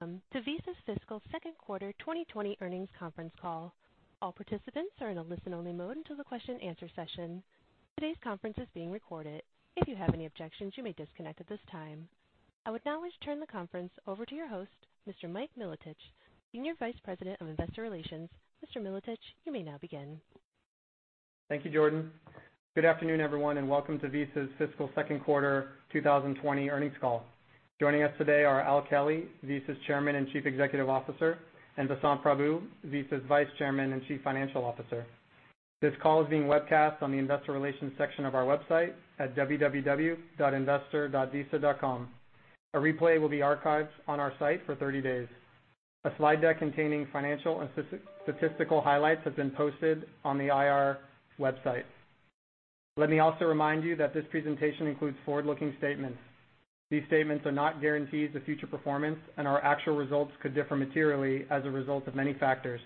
Welcome to Visa's fiscal second quarter 2020 earnings conference call. All participants are in a listen-only mode until the question answer session. Today's conference is being recorded. If you have any objections, you may disconnect at this time. I would now like to turn the conference over to your host, Mr. Mike Milotich, Senior Vice President of Investor Relations. Mr. Milotich, you may now begin. Thank you, Jordan. Good afternoon, everyone, and welcome to Visa's fiscal second quarter 2020 earnings call. Joining us today are Al Kelly, Visa's Chairman and Chief Executive Officer, and Vasant Prabhu, Visa's Vice Chairman and Chief Financial Officer. This call is being webcast on the investor relations section of our website at www.investor.visa.com. A replay will be archived on our site for 30 days. A slide deck containing financial and statistical highlights have been posted on the IR website. Let me also remind you that this presentation includes forward-looking statements. These statements are not guarantees of future performance and our actual results could differ materially as a result of many factors.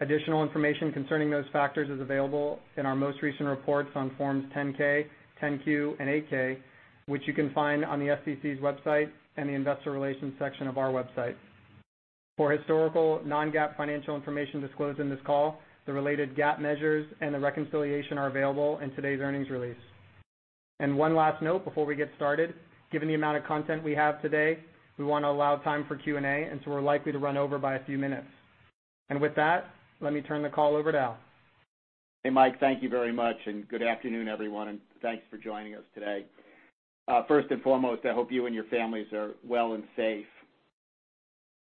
Additional information concerning those factors is available in our most recent reports on forms 10-K, 10-Q, and 8-K, which you can find on the SEC's website and the investor relations section of our website. For historical non-GAAP financial information disclosed in this call, the related GAAP measures and the reconciliation are available in today's earnings release. One last note before we get started, given the amount of content we have today, we want to allow time for Q&A, and so we're likely to run over by a few minutes. With that, let me turn the call over to Al. Hey, Mike, thank you very much, and good afternoon, everyone, and thanks for joining us today. First and foremost, I hope you and your families are well and safe.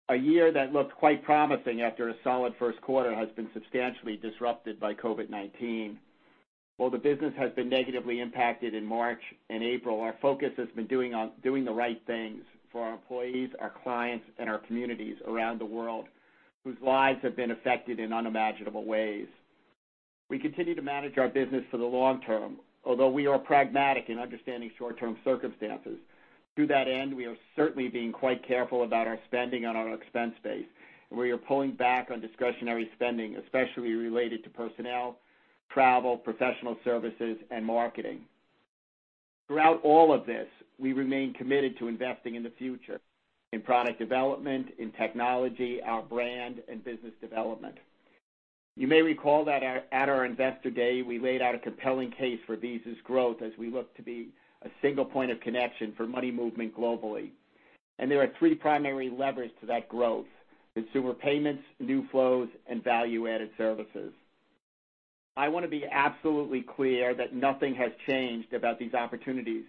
A year that looked quite promising after a solid first quarter has been substantially disrupted by COVID-19. While the business has been negatively impacted in March and April, our focus has been doing the right things for our employees, our clients, and our communities around the world whose lives have been affected in unimaginable ways. We continue to manage our business for the long term, although we are pragmatic in understanding short-term circumstances. To that end, we are certainly being quite careful about our spending on our expense base. We are pulling back on discretionary spending, especially related to personnel, travel, professional services, and marketing. Throughout all of this, we remain committed to investing in the future, in product development, in technology, our brand, and business development. You may recall that at our investor day, we laid out a compelling case for Visa's growth as we look to be a single point of connection for money movement globally. There are three primary levers to that growth, consumer payments, new flows, and value-added services. I want to be absolutely clear that nothing has changed about these opportunities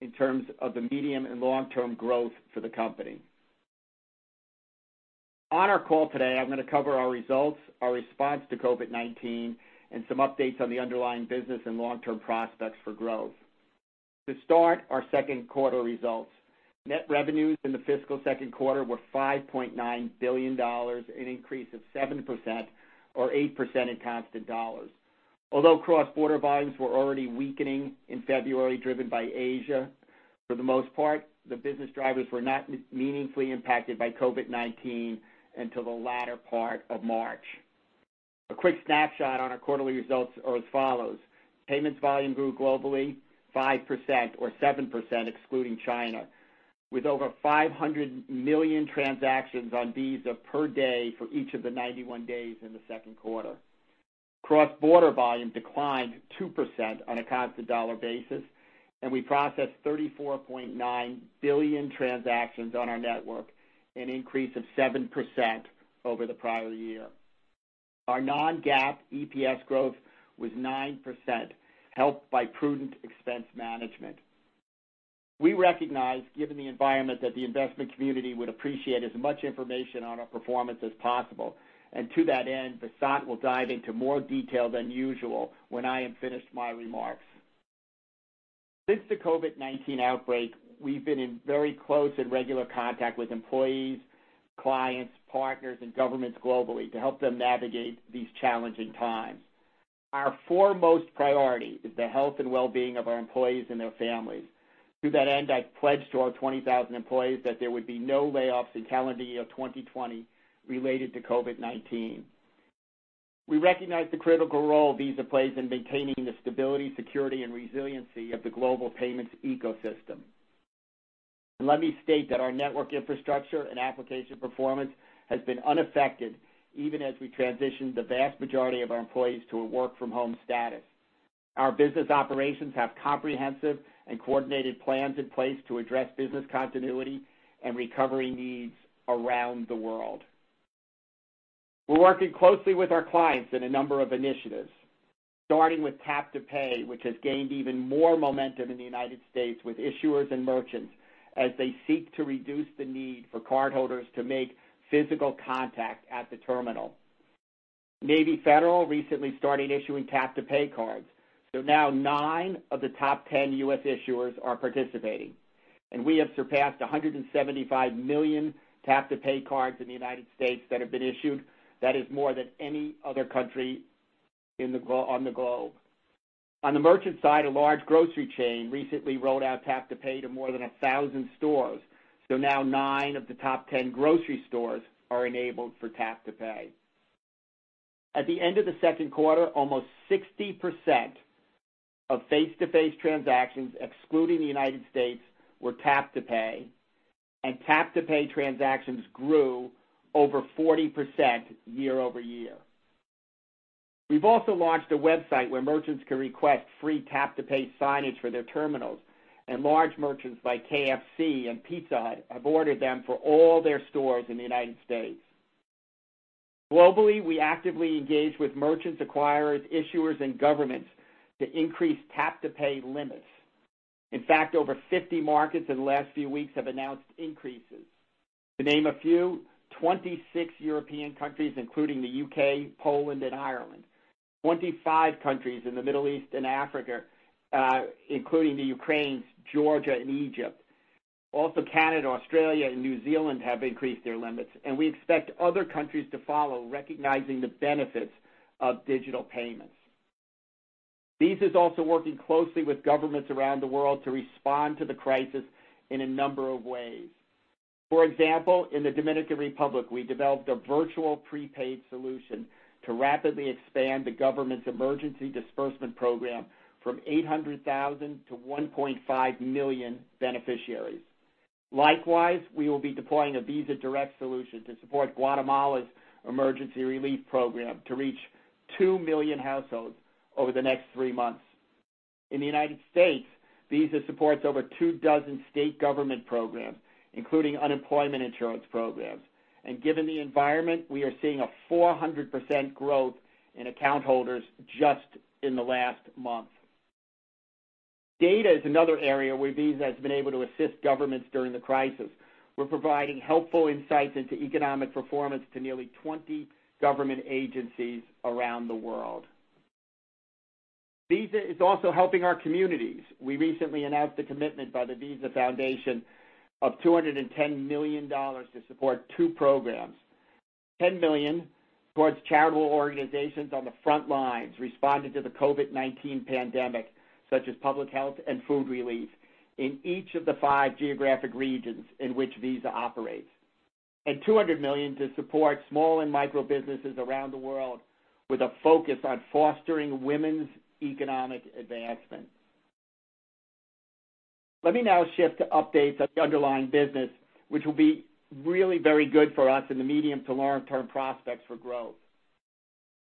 in terms of the medium and long-term growth for the company. On our call today, I'm going to cover our results, our response to COVID-19, and some updates on the underlying business and long-term prospects for growth. To start our second quarter results, net revenues in the fiscal second quarter were $5.9 billion, an increase of 7% or 8% in constant dollars. Although cross-border volumes were already weakening in February, driven by Asia, for the most part, the business drivers were not meaningfully impacted by COVID-19 until the latter part of March. A quick snapshot on our quarterly results are as follows. Payments volume grew globally 5% or 7% excluding China, with over 500 million transactions on Visa per day for each of the 91 days in the second quarter. Cross-border volume declined 2% on a constant dollar basis, and we processed 34.9 billion transactions on our network, an increase of 7% over the prior year. Our non-GAAP EPS growth was 9%, helped by prudent expense management. We recognize, given the environment, that the investment community would appreciate as much information on our performance as possible. To that end, Vasant will dive into more detail than usual when I am finished my remarks. Since the COVID-19 outbreak, we've been in very close and regular contact with employees, clients, partners, and governments globally to help them navigate these challenging times. Our foremost priority is the health and well-being of our employees and their families. To that end, I've pledged to our 20,000 employees that there would be no layoffs in calendar year 2020 related to COVID-19. We recognize the critical role Visa plays in maintaining the stability, security, and resiliency of the global payments ecosystem. Let me state that our network infrastructure and application performance has been unaffected, even as we transition the vast majority of our employees to a work-from-home status. Our business operations have comprehensive and coordinated plans in place to address business continuity and recovery needs around the world. We're working closely with our clients in a number of initiatives, starting with tap-to-pay, which has gained even more momentum in the U.S. with issuers and merchants as they seek to reduce the need for cardholders to make physical contact at the terminal. Navy Federal recently started issuing tap-to-pay cards. Now nine of the top 10 U.S. issuers are participating, and we have surpassed 175 million tap-to-pay cards in the U.S. that have been issued. That is more than any other country on the globe. On the merchant side, a large grocery chain recently rolled out tap-to-pay to more than 1,000 stores. Now nine of the top 10 grocery stores are enabled for tap-to-pay. At the end of the second quarter, almost 60% of face-to-face transactions, excluding the U.S., were tap-to-pay, and tap-to-pay transactions grew over 40% year-over-year. We've also launched a website where merchants can request free tap-to-pay signage for their terminals. Large merchants like KFC and Pizza Hut have ordered them for all their stores in the United States. Globally, we actively engage with merchants, acquirers, issuers, and governments to increase tap-to-pay limits. In fact, over 50 markets in the last few weeks have announced increases. To name a few, 26 European countries, including the U.K., Poland, and Ireland. 25 countries in the Middle East and Africa, including the Ukraine, Georgia, and Egypt. Canada, Australia, and New Zealand have increased their limits. We expect other countries to follow, recognizing the benefits of digital payments. Visa is also working closely with governments around the world to respond to the crisis in a number of ways. For example, in the Dominican Republic, we developed a virtual prepaid solution to rapidly expand the government's emergency disbursement program from 800,000 to 1.5 million beneficiaries. Likewise, we will be deploying a Visa Direct solution to support Guatemala's emergency relief program to reach 2 million households over the next three months. In the United States, Visa supports over two dozen state government programs, including unemployment insurance programs, and given the environment, we are seeing a 400% growth in account holders just in the last month. Data is another area where Visa has been able to assist governments during the crisis. We're providing helpful insights into economic performance to nearly 20 government agencies around the world. Visa is also helping our communities. We recently announced a commitment by the Visa Foundation of $210 million to support two programs. $10 million towards charitable organizations on the front lines responding to the COVID-19 pandemic, such as public health and food relief in each of the five geographic regions in which Visa operates. $200 million to support small and micro businesses around the world with a focus on fostering women's economic advancement. Let me now shift to updates on the underlying business, which will be really very good for us in the medium to long-term prospects for growth.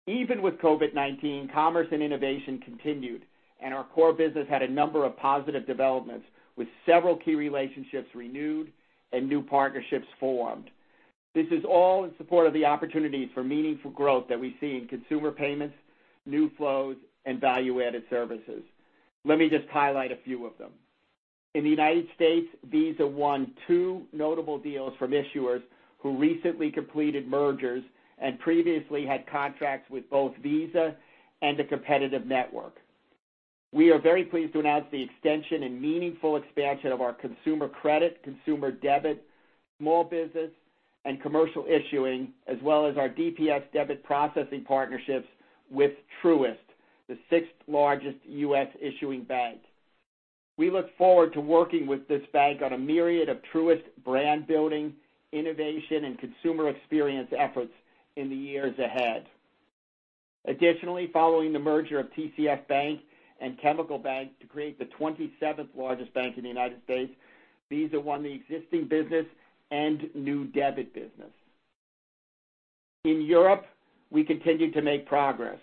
Even with COVID-19, commerce and innovation continued, and our core business had a number of positive developments, with several key relationships renewed and new partnerships formed. This is all in support of the opportunities for meaningful growth that we see in consumer payments, new flows, and value-added services. Let me just highlight a few of them. In the United States, Visa won two notable deals from issuers who recently completed mergers and previously had contracts with both Visa and a competitive network. We are very pleased to announce the extension and meaningful expansion of our consumer credit, consumer debit, small business, and commercial issuing, as well as our DPS debit processing partnerships with Truist, the sixth-largest U.S. issuing bank. We look forward to working with this bank on a myriad of Truist brand building, innovation, and consumer experience efforts in the years ahead. Additionally, following the merger of TCF Bank and Chemical Bank to create the 27th largest bank in the United States, Visa won the existing business and new debit business. In Europe, we continue to make progress.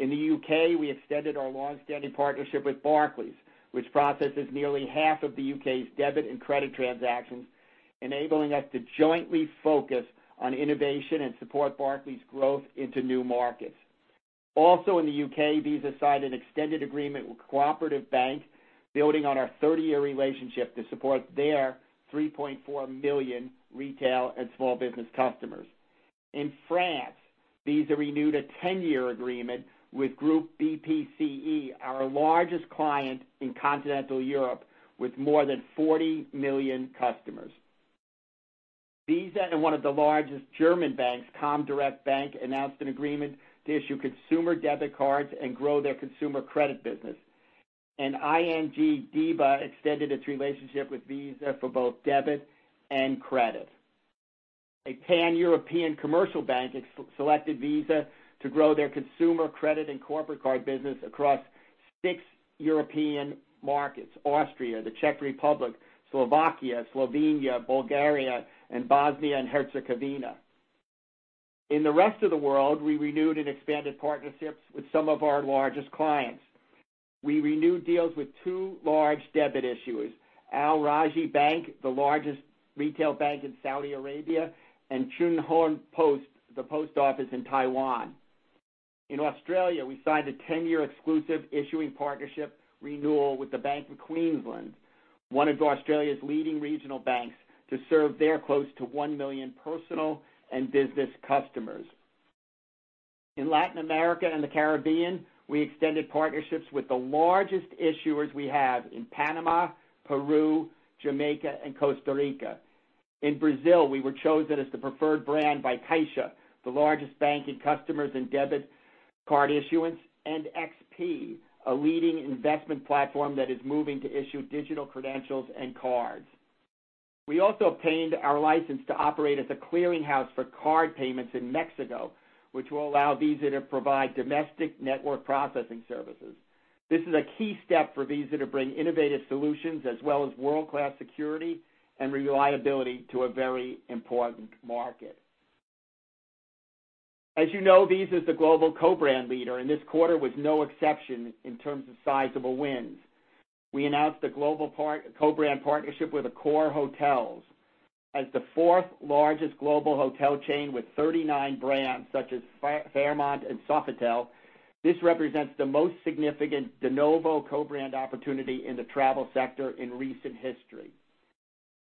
In the U.K., we extended our long-standing partnership with Barclays, which processes nearly half of the U.K.'s debit and credit transactions, enabling us to jointly focus on innovation and support Barclays' growth into new markets. Also in the U.K., Visa signed an extended agreement with Cooperative Bank, building on our 30-year relationship to support their 3.4 million retail and small business customers. In France, Visa renewed a 10-year agreement with Groupe BPCE, our largest client in continental Europe, with more than 40 million customers. Visa and one of the largest German banks, comdirect bank, announced an agreement to issue consumer debit cards and grow their consumer credit business. ING-DiBa extended its relationship with Visa for both debit and credit. A pan-European commercial bank has selected Visa to grow their consumer credit and corporate card business across six European markets, Austria, the Czech Republic, Slovakia, Slovenia, Bulgaria, and Bosnia and Herzegovina. In the rest of the world, we renewed and expanded partnerships with some of our largest clients. We renewed deals with two large debit issuers, Al Rajhi Bank, the largest retail bank in Saudi Arabia, and Chunghwa Post, the post office in Taiwan. In Australia, we signed a 10-year exclusive issuing partnership renewal with the Bank of Queensland, one of Australia's leading regional banks, to serve their close to 1 million personal and business customers. In Latin America and the Caribbean, we extended partnerships with the largest issuers we have in Panama, Peru, Jamaica, and Costa Rica. In Brazil, we were chosen as the preferred brand by Caixa, the largest bank in customers and debit card issuance, and XP, a leading investment platform that is moving to issue digital credentials and cards. We also obtained our license to operate as a clearinghouse for card payments in Mexico, which will allow Visa to provide domestic network processing services. This is a key step for Visa to bring innovative solutions as well as world-class security and reliability to a very important market. As you know, Visa is the global co-brand leader, and this quarter was no exception in terms of sizable wins. We announced a global co-brand partnership with Accor Hotels. As the fourth-largest global hotel chain with 39 brands such as Fairmont and Sofitel, this represents the most significant de novo co-brand opportunity in the travel sector in recent history.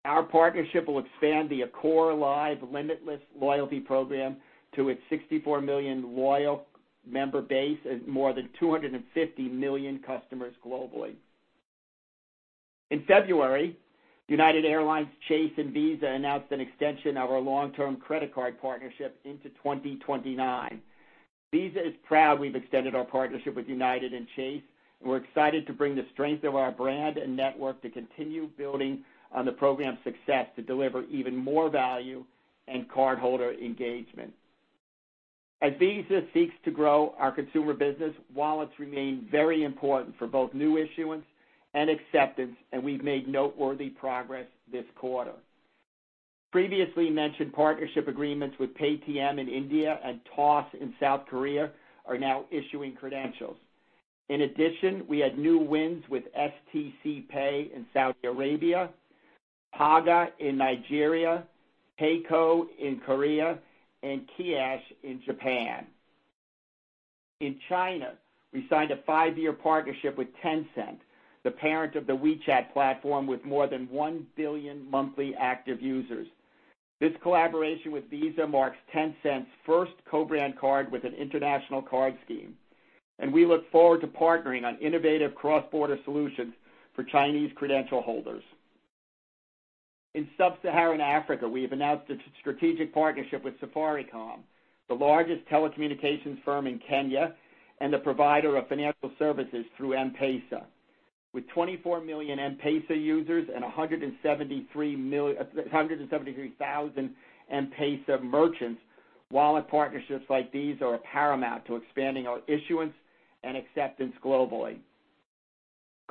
Our partnership will expand the Accor Live Limitless loyalty program to its 64 million loyal member base and more than 250 million customers globally. In February, United Airlines, Chase, and Visa announced an extension of our long-term credit card partnership into 2029. Visa is proud we've extended our partnership with United and Chase, and we're excited to bring the strength of our brand and network to continue building on the program's success to deliver even more value and cardholder engagement. As Visa seeks to grow our consumer business, wallets remain very important for both new issuance and acceptance, and we've made noteworthy progress this quarter. Previously mentioned partnership agreements with Paytm in India and Toss in South Korea are now issuing credentials. In addition, we had new wins with stc pay in Saudi Arabia, Paga in Nigeria, PAYCO in Korea, and Kyash in Japan. In China, we signed a five-year partnership with Tencent, the parent of the WeChat platform with more than 1 billion monthly active users. This collaboration with Visa marks Tencent's first co-brand card with an international card scheme. We look forward to partnering on innovative cross-border solutions for Chinese credential holders. In sub-Saharan Africa, we have announced a strategic partnership with Safaricom, the largest telecommunications firm in Kenya and a provider of financial services through M-PESA. With 24 million M-PESA users and 173,000 M-PESA merchants, wallet partnerships like these are paramount to expanding our issuance and acceptance globally.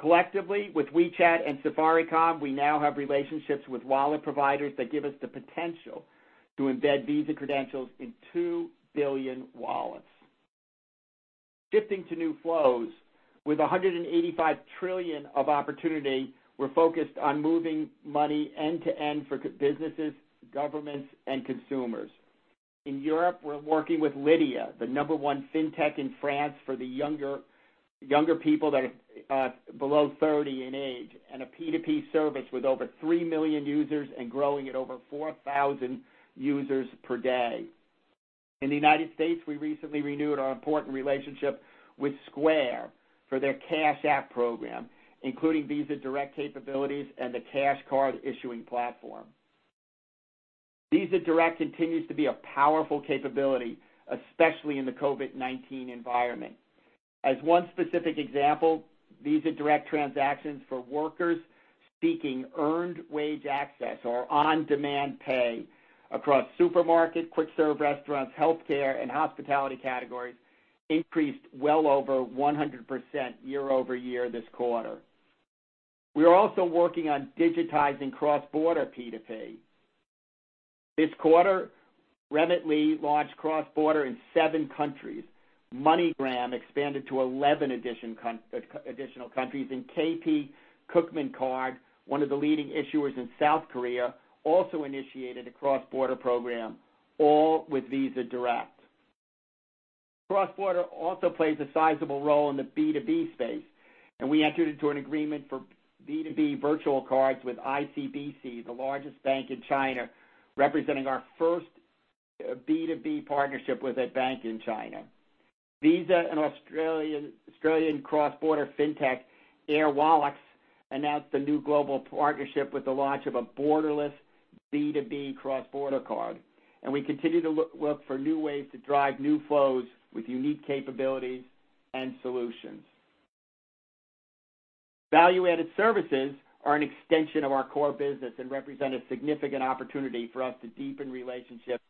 Collectively, with WeChat and Safaricom, we now have relationships with wallet providers that give us the potential to embed Visa credentials in 2 billion wallets. Shifting to new flows, with $185 trillion of opportunity, we're focused on moving money end-to-end for businesses, governments, and consumers. In Europe, we're working with Lydia, the number one fintech in France for the younger people that are below 30 in age, and a P2P service with over 3 million users and growing at over 4,000 users per day. In the United States, we recently renewed our important relationship with Square for their Cash App program, including Visa Direct capabilities and the cash card issuing platform. Visa Direct continues to be a powerful capability, especially in the COVID-19 environment. As one specific example, Visa Direct transactions for workers seeking earned wage access or on-demand pay across supermarket, quick-serve restaurants, healthcare, and hospitality categories increased well over 100% year-over-year this quarter. We are also working on digitizing cross-border P2P. This quarter, Remitly launched cross-border in seven countries. MoneyGram expanded to 11 additional countries, and KB Kookmin Card, one of the leading issuers in South Korea, also initiated a cross-border program, all with Visa Direct. Cross-border also plays a sizable role in the B2B space, and we entered into an agreement for B2B virtual cards with ICBC, the largest bank in China, representing our first B2B partnership with a bank in China. Visa and Australian cross-border fintech, Airwallex, announced a new global partnership with the launch of a borderless B2B cross-border card, and we continue to look for new ways to drive new flows with unique capabilities and solutions. Value-added services are an extension of our core business and represent a significant opportunity for us to deepen relationships,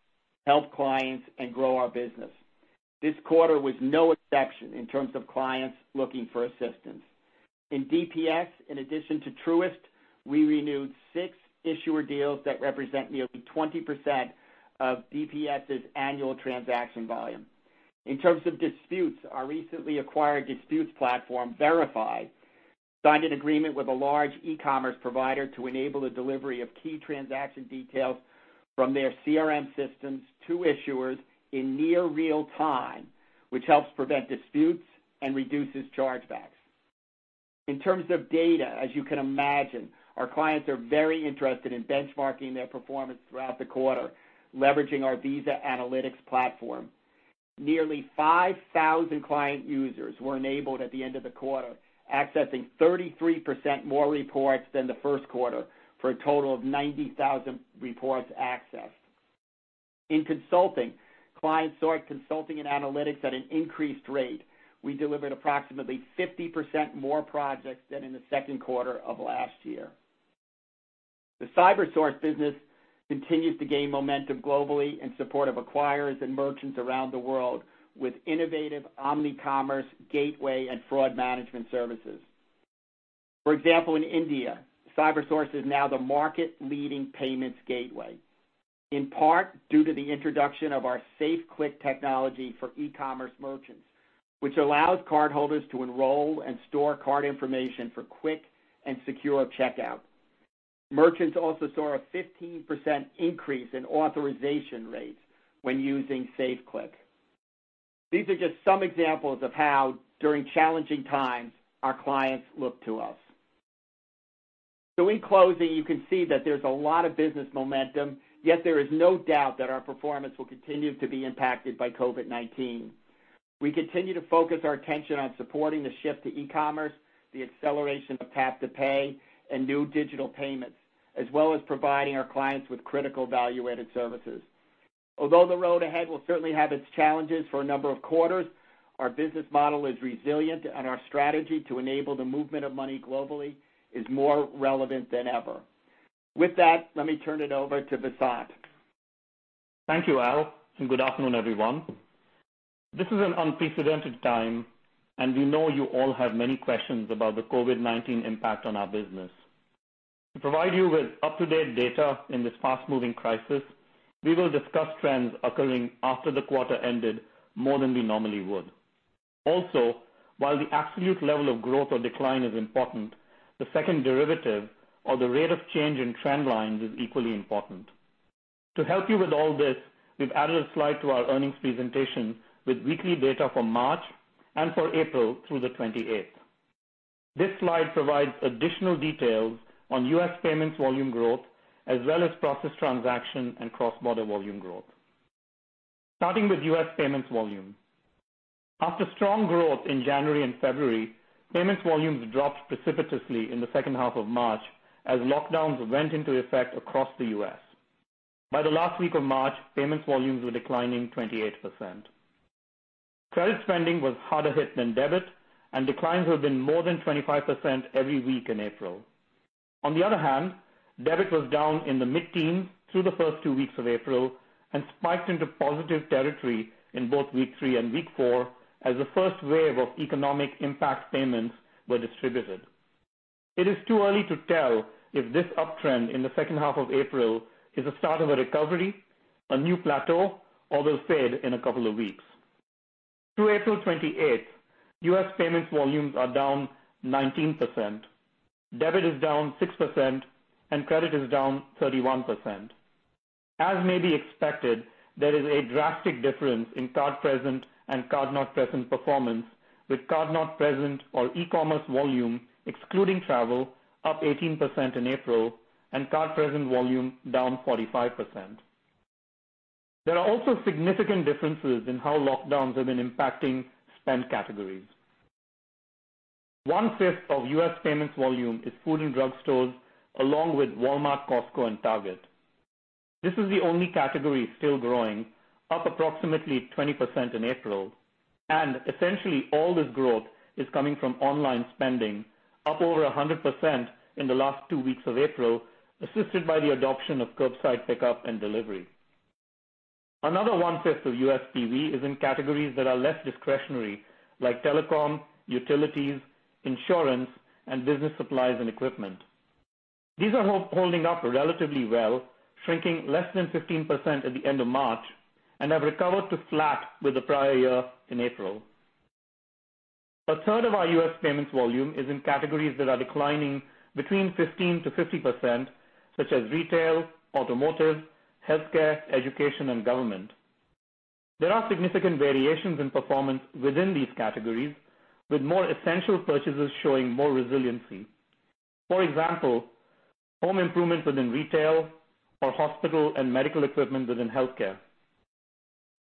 help clients, and grow our business. This quarter was no exception in terms of clients looking for assistance. In DPS, in addition to Truist, we renewed six issuer deals that represent nearly 20% of DPS' annual transaction volume. In terms of disputes, our recently acquired disputes platform, Verifi, signed an agreement with a large e-commerce provider to enable the delivery of key transaction details from their CRM systems to issuers in near real time, which helps prevent disputes and reduces chargebacks. In terms of data, as you can imagine, our clients are very interested in benchmarking their performance throughout the quarter, leveraging our Visa Analytics Platform. Nearly 5,000 client users were enabled at the end of the quarter, accessing 33% more reports than the first quarter for a total of 90,000 reports accessed. In consulting, clients sought consulting and analytics at an increased rate. We delivered approximately 50% more projects than in the second quarter of last year. The Cybersource business continues to gain momentum globally in support of acquirers and merchants around the world with innovative omni-commerce gateway and fraud management services. For example, in India, Cybersource is now the market-leading payments gateway, in part due to the introduction of our Safe Click technology for e-commerce merchants, which allows cardholders to enroll and store card information for quick and secure checkout. Merchants also saw a 15% increase in authorization rates when using Safe Click. These are just some examples of how, during challenging times, our clients look to us. In closing, you can see that there's a lot of business momentum, yet there is no doubt that our performance will continue to be impacted by COVID-19. We continue to focus our attention on supporting the shift to e-commerce, the acceleration of tap-to-pay, and new digital payments, as well as providing our clients with critical value-added services. Although the road ahead will certainly have its challenges for a number of quarters, our business model is resilient and our strategy to enable the movement of money globally is more relevant than ever. With that, let me turn it over to Vasant. Thank you, Al. Good afternoon, everyone. This is an unprecedented time. We know you all have many questions about the COVID-19 impact on our business. To provide you with up-to-date data in this fast-moving crisis, we will discuss trends occurring after the quarter ended more than we normally would. While the absolute level of growth or decline is important, the second derivative or the rate of change in trend lines is equally important. To help you with all this, we've added a slide to our earnings presentation with weekly data for March and for April through the 28th. This slide provides additional details on U.S. payments volume growth, as well as process transaction and cross-border volume growth. Starting with U.S. payments volume. After strong growth in January and February, payments volumes dropped precipitously in the second half of March as lockdowns went into effect across the U.S. By the last week of March, payments volumes were declining 28%. Credit spending was harder hit than debit, and declines have been more than 25% every week in April. Debit was down in the mid-teens through the first two weeks of April and spiked into positive territory in both week three and week four as the first wave of economic impact payments were distributed. It is too early to tell if this uptrend in the second half of April is the start of a recovery, a new plateau, or will fade in a couple of weeks. Through April 28th, U.S. payments volumes are down 19%. Debit is down 6% and credit is down 31%. As may be expected, there is a drastic difference in card present and card not present performance, with card not present or e-commerce volume, excluding travel, up 18% in April and card-present volume down 45%. There are also significant differences in how lockdowns have been impacting spend categories. 1/5 of U.S. payments volume is food and drug stores, along with Walmart, Costco, and Target. This is the only category still growing, up approximately 20% in April. Essentially, all this growth is coming from online spending, up over 100% in the last two weeks of April, assisted by the adoption of curbside pickup and delivery. Another 1/5 of USPV is in categories that are less discretionary, like telecom, utilities, insurance, and business supplies and equipment. These are holding up relatively well, shrinking less than 15% at the end of March and have recovered to flat with the prior year in April. A third of our U.S. payments volume is in categories that are declining between 15%-50%, such as retail, automotive, healthcare, education, and government. There are significant variations in performance within these categories, with more essential purchases showing more resiliency. For example, home improvements within retail or hospital and medical equipment within healthcare.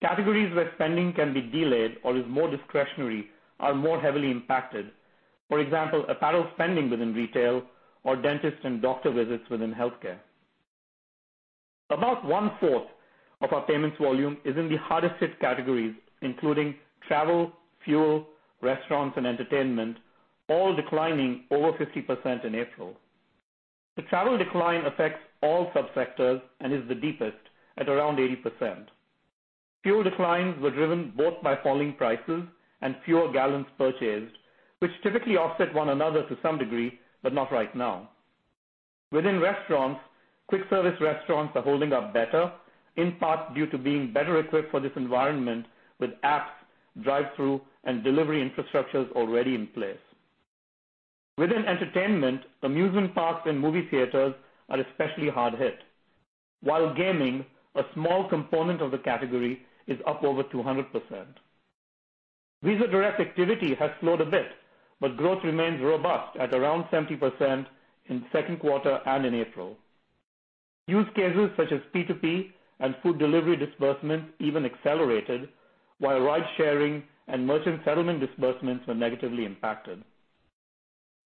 Categories where spending can be delayed or is more discretionary are more heavily impacted. For example, apparel spending within retail or dentist and doctor visits within healthcare. About 1/4 of our payments volume is in the hardest-hit categories, including travel, fuel, restaurants, and entertainment, all declining over 50% in April. The travel decline affects all subsectors and is the deepest at around 80%. Fuel declines were driven both by falling prices and fewer gallons purchased, which typically offset one another to some degree, but not right now. Within restaurants, quick-service restaurants are holding up better, in part due to being better equipped for this environment with apps, drive-through, and delivery infrastructures already in place. Within entertainment, amusement parks and movie theaters are especially hard hit, while gaming, a small component of the category, is up over 200%. Visa Direct activity has slowed a bit, but growth remains robust at around 70% in second quarter and in April. Use cases such as P2P and food delivery disbursements even accelerated while ride-sharing and merchant settlement disbursements were negatively impacted.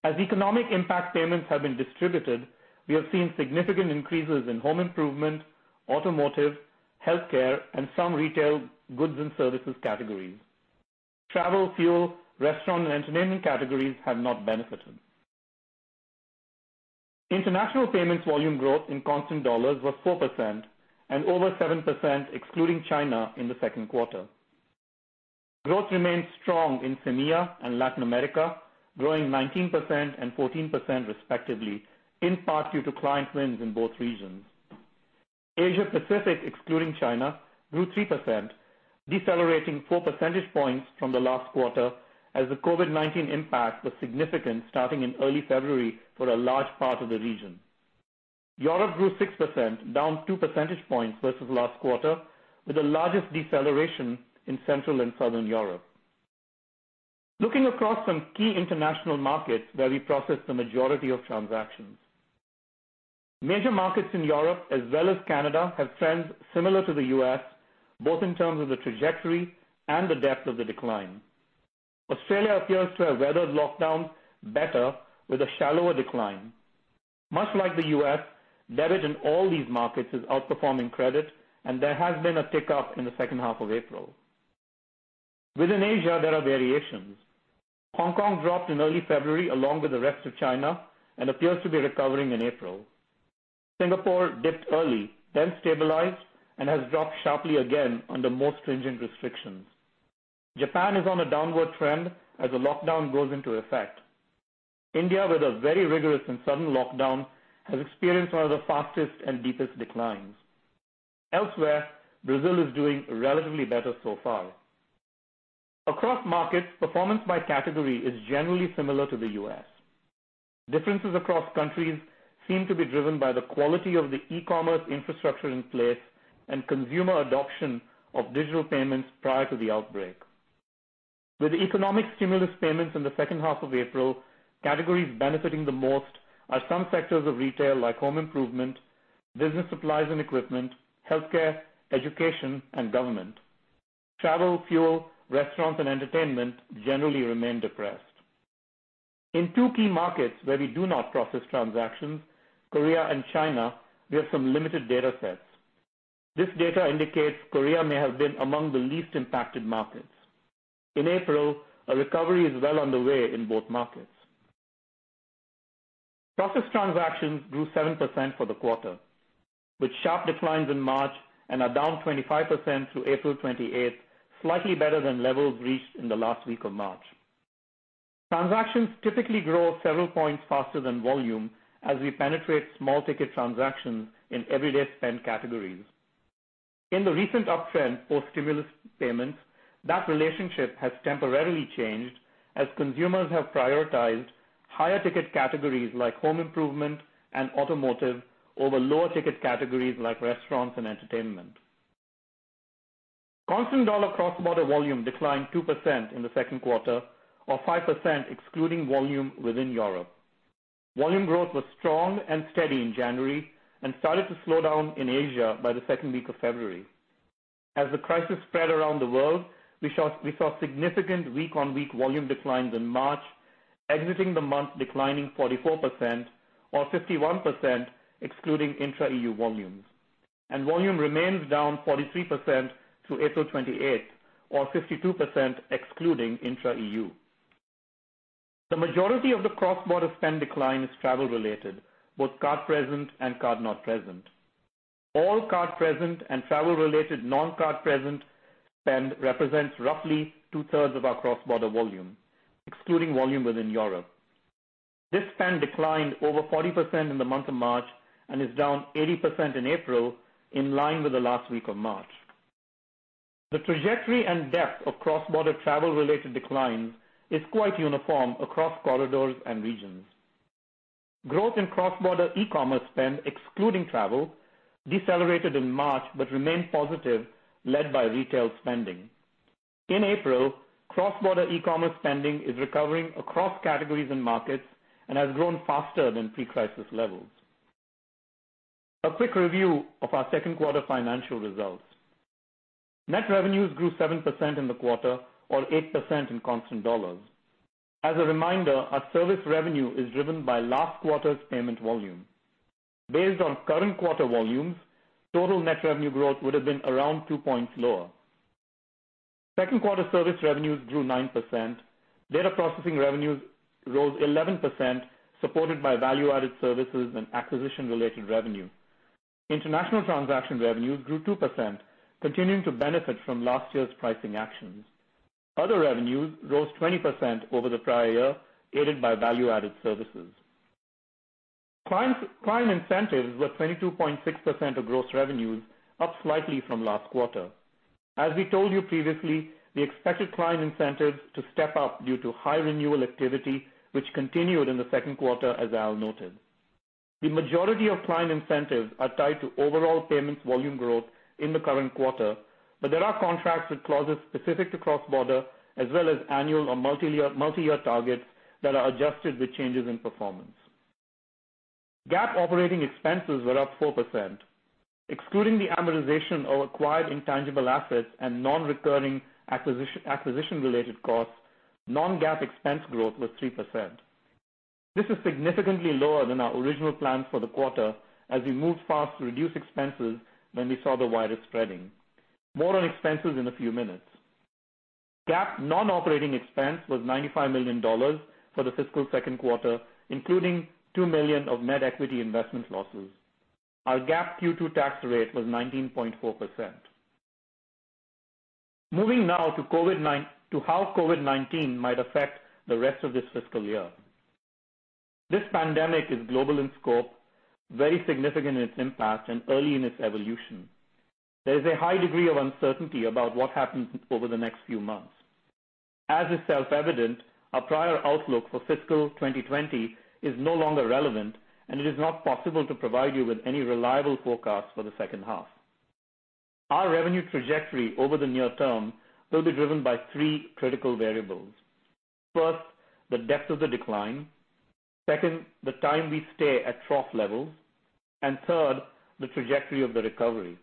As economic impact payments have been distributed, we have seen significant increases in home improvement, automotive, healthcare, and some retail goods and services categories. Travel, fuel, restaurant, and entertainment categories have not benefited. International payments volume growth in constant dollars was 4% and over 7% excluding China in the second quarter. Growth remained strong in CEMEA and Latin America, growing 19% and 14% respectively, in part due to client wins in both regions. Asia Pacific, excluding China, grew 3%, decelerating four percentage points from the last quarter as the COVID-19 impact was significant starting in early February for a large part of the region. Europe grew 6%, down two percentage points versus last quarter, with the largest deceleration in Central and Southern Europe. Looking across some key international markets where we process the majority of transactions. Major markets in Europe as well as Canada have trends similar to the U.S., both in terms of the trajectory and the depth of the decline. Australia appears to have weathered lockdowns better with a shallower decline. Much like the U.S., debit in all these markets is outperforming credit, and there has been a tick-up in the second half of April. Within Asia, there are variations. Hong Kong dropped in early February along with the rest of China and appears to be recovering in April. Singapore dipped early, then stabilized, and has dropped sharply again under more stringent restrictions. Japan is on a downward trend as a lockdown goes into effect. India, with a very rigorous and sudden lockdown, has experienced one of the fastest and deepest declines. Elsewhere, Brazil is doing relatively better so far. Across markets, performance by category is generally similar to the U.S. Differences across countries seem to be driven by the quality of the e-commerce infrastructure in place and consumer adoption of digital payments prior to the outbreak. With economic stimulus payments in the second half of April, categories benefiting the most are some sectors of retail like home improvement, business supplies and equipment, healthcare, education, and government. Travel, fuel, restaurants, and entertainment generally remain depressed. In two key markets where we do not process transactions, Korea and China, we have some limited data sets. This data indicates Korea may have been among the least impacted markets. In April, a recovery is well on the way in both markets. Processed transactions grew 7% for the quarter, with sharp declines in March and are down 25% through April 28th, slightly better than levels reached in the last week of March. Transactions typically grow several points faster than volume as we penetrate small-ticket transactions in everyday spend categories. In the recent uptrend post-stimulus payments, that relationship has temporarily changed as consumers have prioritized higher-ticket categories like home improvement and automotive over lower-ticket categories like restaurants and entertainment. Constant dollar cross-border volume declined 2% in the second quarter, or 5% excluding volume within Europe. Volume growth was strong and steady in January and started to slow down in Asia by the second week of February. As the crisis spread around the world, we saw significant week-on-week volume declines in March, exiting the month declining 44%, or 51% excluding intra-EU volumes. Volume remains down 43% through April 28th, or 52% excluding intra-EU. The majority of the cross-border spend decline is travel-related, both card present and card not present. All card-present and travel-related non-card-present spend represents roughly two-thirds of our cross-border volume, excluding volume within Europe. This spend declined over 40% in the month of March and is down 80% in April, in line with the last week of March. The trajectory and depth of cross-border travel-related declines is quite uniform across corridors and regions. Growth in cross-border e-commerce spend, excluding travel, decelerated in March but remained positive, led by retail spending. In April, cross-border e-commerce spending is recovering across categories and markets and has grown faster than pre-crisis levels. A quick review of our second quarter financial results. Net revenues grew 7% in the quarter or 8% in constant dollars. As a reminder, our service revenue is driven by last quarter's payment volume. Based on current quarter volumes, total net revenue growth would have been around two points lower. Second quarter service revenues grew 9%. Data processing revenues rose 11%, supported by value-added services and acquisition-related revenue. International transaction revenue grew 2%, continuing to benefit from last year's pricing actions. Other revenues rose 20% over the prior year, aided by value-added services. Client incentives were 22.6% of gross revenues, up slightly from last quarter. As we told you previously, we expected client incentives to step up due to high renewal activity, which continued in the second quarter as Al noted. The majority of client incentives are tied to overall payments volume growth in the current quarter, but there are contracts with clauses specific to cross-border as well as annual or multi-year targets that are adjusted with changes in performance. GAAP operating expenses were up 4%. Excluding the amortization of acquired intangible assets and non-recurring acquisition-related costs, non-GAAP expense growth was 3%. This is significantly lower than our original plans for the quarter as we moved fast to reduce expenses when we saw the virus spreading. More on expenses in a few minutes. GAAP non-operating expense was $95 million for the fiscal second quarter, including $2 million of net equity investment losses. Our GAAP Q2 tax rate was 19.4%. Moving now to how COVID-19 might affect the rest of this fiscal year. This pandemic is global in scope, very significant in its impact, and early in its evolution. There is a high degree of uncertainty about what happens over the next few months. As is self-evident, our prior outlook for fiscal 2020 is no longer relevant, and it is not possible to provide you with any reliable forecast for the second half. Our revenue trajectory over the near term will be driven by three critical variables. First, the depth of the decline. Second, the time we stay at trough levels, and third, the trajectory of the recovery.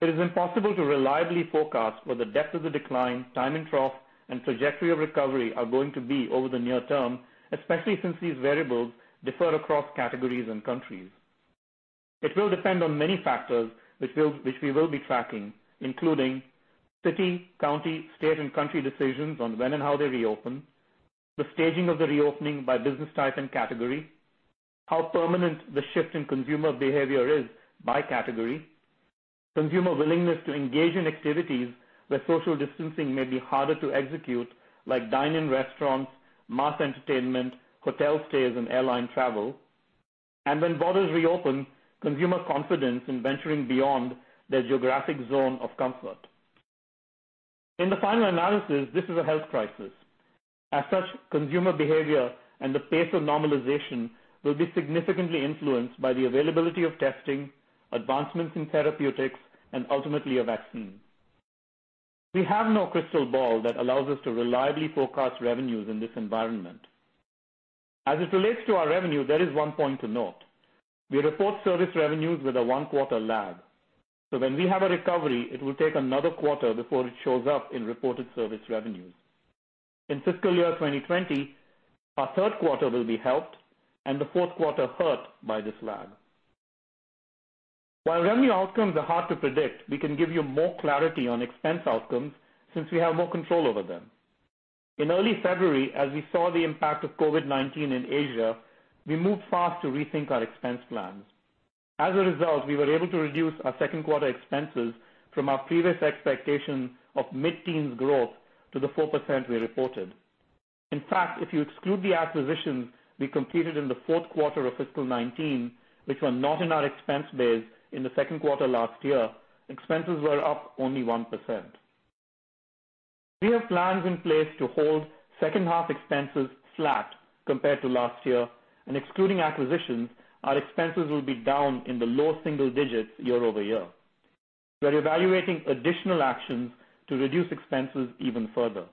It is impossible to reliably forecast what the depth of the decline, time in trough, and trajectory of recovery are going to be over the near term, especially since these variables differ across categories and countries. It will depend on many factors, which we will be tracking, including city, county, state, and country decisions on when and how they reopen, the staging of the reopening by business type and category, how permanent the shift in consumer behavior is by category, consumer willingness to engage in activities where social distancing may be harder to execute, like dine-in restaurants, mass entertainment, hotel stays, and airline travel. When borders reopen, consumer confidence in venturing beyond their geographic zone of comfort. In the final analysis, this is a health crisis. As such, consumer behavior and the pace of normalization will be significantly influenced by the availability of testing, advancements in therapeutics, and ultimately, a vaccine. We have no crystal ball that allows us to reliably forecast revenues in this environment. As it relates to our revenue, there is one point to note. We report service revenues with a one-quarter lag. When we have a recovery, it will take another quarter before it shows up in reported service revenues. In fiscal year 2020, our third quarter will be helped and the fourth quarter hurt by this lag. While revenue outcomes are hard to predict, we can give you more clarity on expense outcomes since we have more control over them. In early February, as we saw the impact of COVID-19 in Asia, we moved fast to rethink our expense plans. As a result, we were able to reduce our second quarter expenses from our previous expectation of mid-teens growth to the 4% we reported. In fact, if you exclude the acquisitions we completed in the fourth quarter of fiscal 2019, which were not in our expense base in the second quarter last year, expenses were up only 1%. We have plans in place to hold second-half expenses flat compared to last year, and excluding acquisitions, our expenses will be down in the low single-digits year-over-year. We are evaluating additional actions to reduce expenses even further.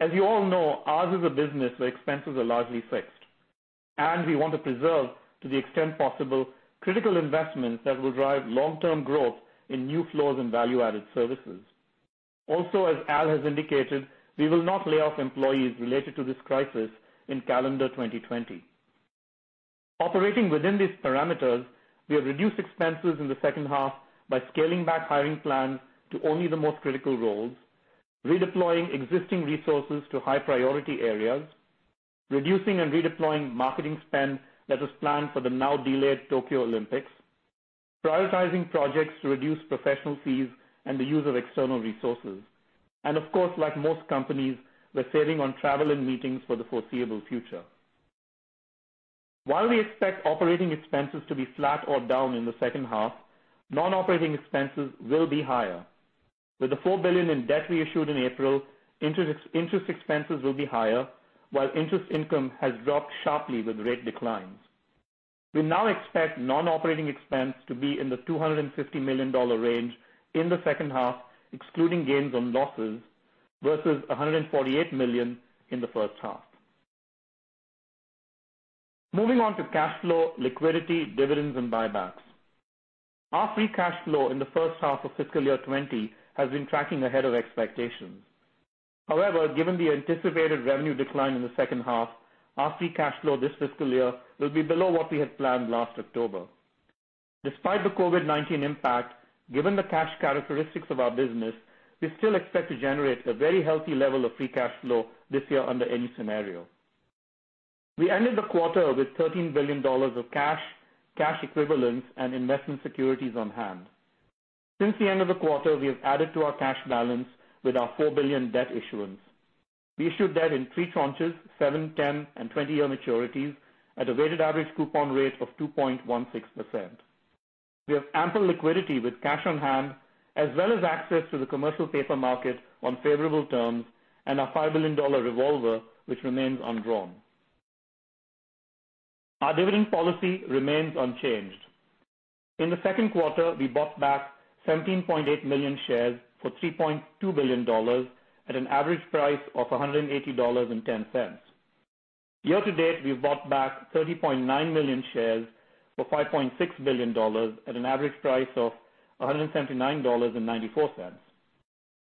As you all know, ours is a business where expenses are largely fixed, and we want to preserve, to the extent possible, critical investments that will drive long-term growth in new flows and value-added services. As Al has indicated, we will not lay off employees related to this crisis in calendar 2020. Operating within these parameters, we have reduced expenses in the second half by scaling back hiring plans to only the most critical roles, redeploying existing resources to high-priority areas, reducing and redeploying marketing spend that was planned for the now delayed Tokyo Olympics, prioritizing projects to reduce professional fees and the use of external resources, and of course, like most companies, we're saving on travel and meetings for the foreseeable future. While we expect operating expenses to be flat or down in the second half, non-operating expenses will be higher. With the $4 billion in debt we issued in April, interest expenses will be higher, while interest income has dropped sharply with rate declines. We now expect non-operating expense to be in the $250 million range in the second half, excluding gains on losses, versus $148 million in the first half. Moving on to cash flow, liquidity, dividends, and buybacks. Our free cash flow in the first half of fiscal year 2020 has been tracking ahead of expectations. However, given the anticipated revenue decline in the second half, our free cash flow this fiscal year will be below what we had planned last October. Despite the COVID-19 impact, given the cash characteristics of our business, we still expect to generate a very healthy level of free cash flow this year under any scenario. We ended the quarter with $13 billion of cash equivalents, and investment securities on hand. Since the end of the quarter, we have added to our cash balance with our $4 billion debt issuance. We issued debt in three tranches, seven, 10, and 20-year maturities at a weighted average coupon rate of 2.16%. We have ample liquidity with cash on hand, as well as access to the commercial paper market on favorable terms and a $5 billion revolver, which remains undrawn. Our dividend policy remains unchanged. In the second quarter, we bought back 17.8 million shares for $3.2 billion at an average price of $180.10. Year to date, we've bought back 30.9 million shares for $5.6 billion at an average price of $179.94.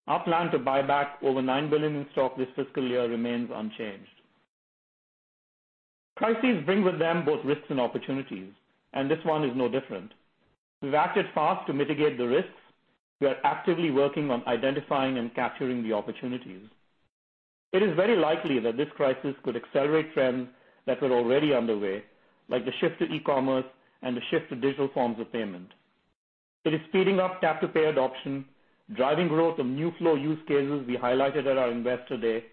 Our plan to buy back over $9 billion in stock this fiscal year remains unchanged. Crises bring with them both risks and opportunities. This one is no different. We've acted fast to mitigate the risks. We are actively working on identifying and capturing the opportunities. It is very likely that this crisis could accelerate trends that were already underway, like the shift to e-commerce and the shift to digital forms of payment. It is speeding up tap-to-pay adoption, driving growth of new flow use cases we highlighted at our Investor Day,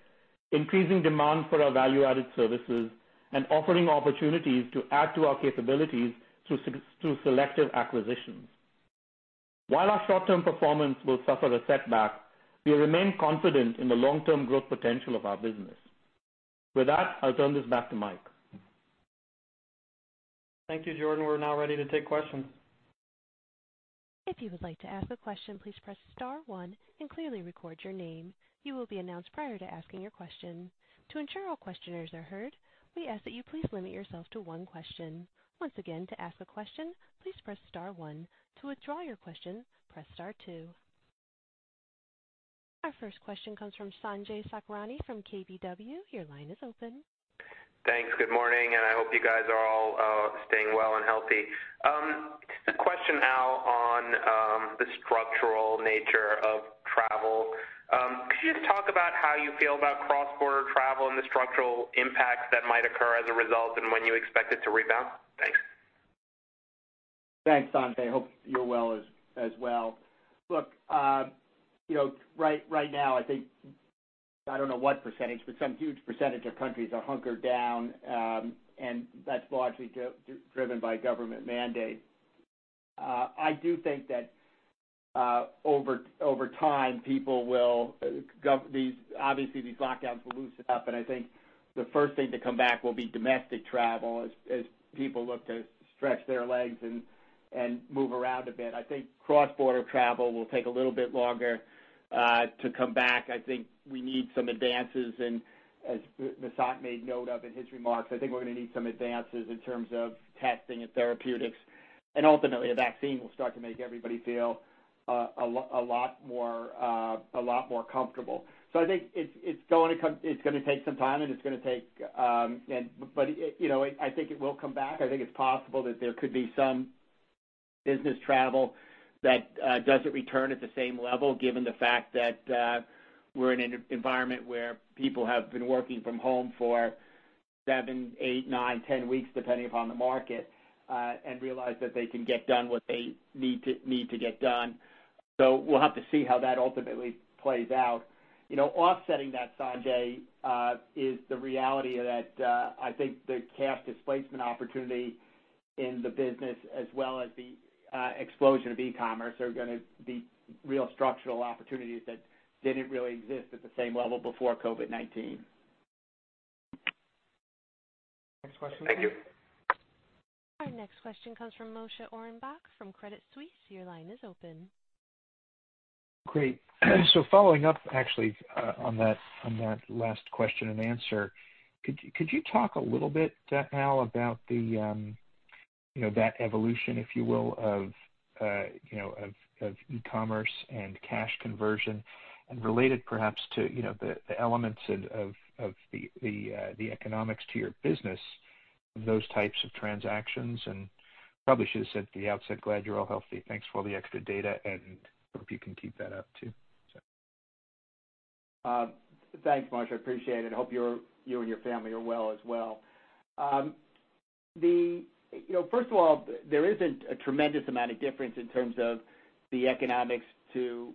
increasing demand for our value-added services, and offering opportunities to add to our capabilities through selective acquisitions. While our short-term performance will suffer a setback, we remain confident in the long-term growth potential of our business. With that, I'll turn this back to Mike. Thank you, Jordan. We're now ready to take questions. If you would like to ask a question, please press star one and clearly record your name. You will be announced prior to asking your question. To ensure all questioners are heard, we ask that you please limit yourself to one question. Once again, to ask a question, please press star one. To withdraw your question, press star two. Our first question comes from Sanjay Sakhrani from KBW. Your line is open. Thanks. Good morning. I hope you guys are all staying well and healthy. A question now on the structural nature of travel. Could you just talk about how you feel about cross-border travel and the structural impacts that might occur as a result, and when you expect it to rebound? Thanks. Thanks, Sanjay. Hope you're well as well. Look, right now, I think, I don't know what percentage, but some huge percentage of countries are hunkered down, and that's largely driven by government mandate. I do think that over time, obviously these lockdowns will loosen up, and I think the first thing to come back will be domestic travel as people look to stretch their legs and move around a bit. I think cross-border travel will take a little bit longer to come back. As Vasant made note of in his remarks, I think we're going to need some advances in terms of testing and therapeutics. Ultimately, a vaccine will start to make everybody feel a lot more comfortable. I think it's going to take some time, but I think it will come back. I think it's possible that there could be some business travel that doesn't return at the same level given the fact that we're in an environment where people have been working from home for seven, eight, nine, 10 weeks, depending upon the market, and realize that they can get done what they need to get done. We'll have to see how that ultimately plays out. Offsetting that, Sanjay, is the reality that I think the cash displacement opportunity in the business as well as the explosion of e-commerce are going to be real structural opportunities that didn't really exist at the same level before COVID-19. Thank you. Our next question comes from Moshe Orenbuch from Credit Suisse. Your line is open. Great. Following up actually on that last question and answer, could you talk a little bit, Al, about that evolution, if you will, of e-commerce and cash conversion and relate it perhaps to the elements of the economics to your business of those types of transactions? Probably should have said at the outset, glad you're all healthy. Thanks for all the extra data, and hope you can keep that up too. Thanks, Moshe. I appreciate it. I hope you and your family are well as well. First of all, there isn't a tremendous amount of difference in terms of the economics to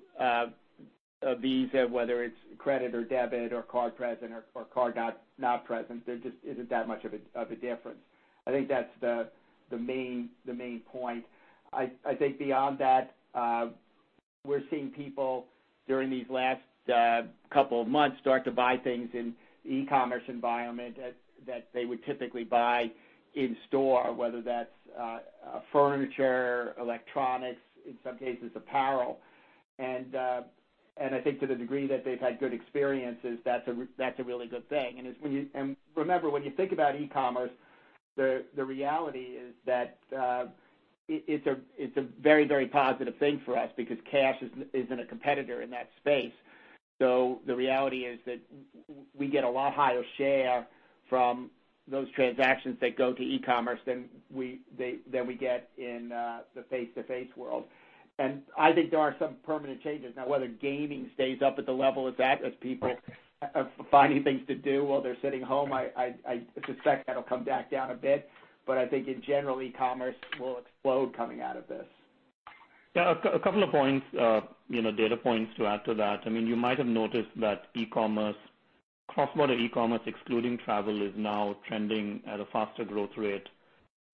Visa, whether it's credit or debit or card present or card not present. There just isn't that much of a difference. I think that's the main point. I think beyond that, we're seeing people during these last couple of months start to buy things in e-commerce environment that they would typically buy in store, whether that's furniture, electronics, in some cases, apparel. I think to the degree that they've had good experiences, that's a really good thing. Remember, when you think about e-commerce, the reality is that it's a very positive thing for us because cash isn't a competitor in that space. The reality is that we get a lot higher share from those transactions that go to e-commerce than we get in the face-to-face world. I think there are some permanent changes. Now, whether gaming stays up at the level it's at as people are finding things to do while they're sitting home, I suspect that'll come back down a bit. I think in general, e-commerce will explode coming out of this. Yeah, a couple of data points to add to that. You might have noticed that cross-border e-commerce, excluding travel, is now trending at a faster growth rate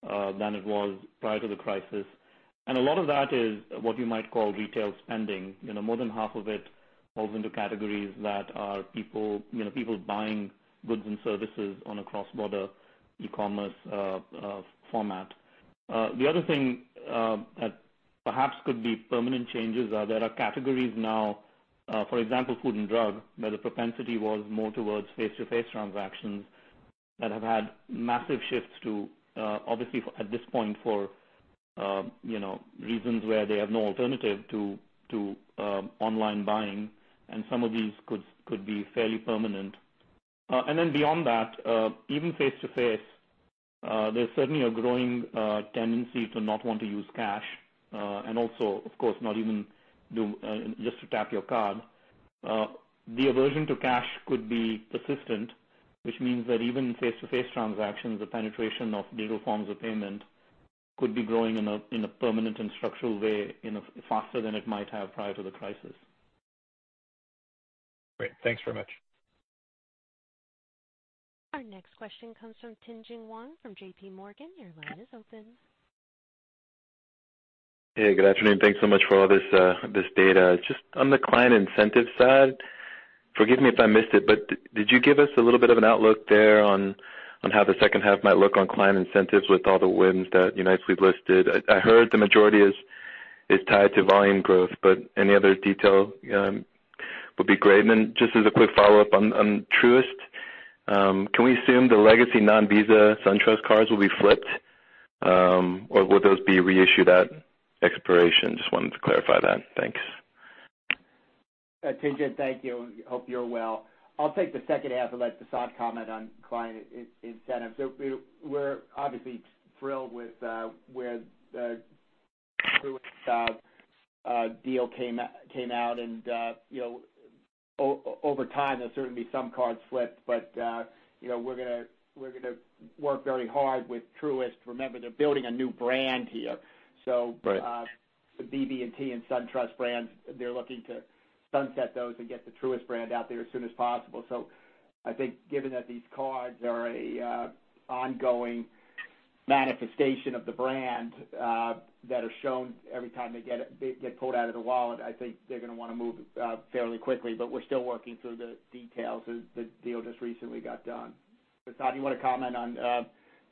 than it was prior to the crisis. A lot of that is what you might call retail spending. More than half of it falls into categories that are people buying goods and services on a cross-border e-commerce format. The other thing that perhaps could be permanent changes are there are categories now, for example, food and drug, where the propensity was more towards face-to-face transactions that have had massive shifts to, obviously, at this point, for reasons where they have no alternative to online buying, and some of these could be fairly permanent. Beyond that, even face-to-face, there's certainly a growing tendency to not want to use cash and also, of course, not even just to tap your card. The aversion to cash could be persistent, which means that even face-to-face transactions, the penetration of digital forms of payment could be growing in a permanent and structural way faster than it might have prior to the crisis. Great. Thanks very much. Our next question comes from Tien-Tsin Huang from JPMorgan. Your line is open. Hey, good afternoon. Thanks so much for all this data. Just on the client incentive side, forgive me if I missed it, but did you give us a little bit of an outlook there on how the second half might look on client incentives with all the wins that you nicely listed? I heard the majority is tied to volume growth, but any other detail would be great. Just as a quick follow-up on Truist, can we assume the legacy non-Visa SunTrust cards will be flipped? Will those be reissued at expiration? Just wanted to clarify that. Thanks. Tien-Tsin, thank you. Hope you're well. I'll take the second half and let Vasant comment on client incentives. We're obviously thrilled with where the Truist deal came out. Over time, there'll certainly be some card slip. We're going to work very hard with Truist. Remember, they're building a new brand here. Right. The BB&T and SunTrust brands, they're looking to sunset those and get the Truist brand out there as soon as possible. I think given that these cards are a ongoing manifestation of the brand that are shown every time they get pulled out of the wallet, I think they're going to want to move fairly quickly. We're still working through the details. The deal just recently got done. Vasant, you want to comment on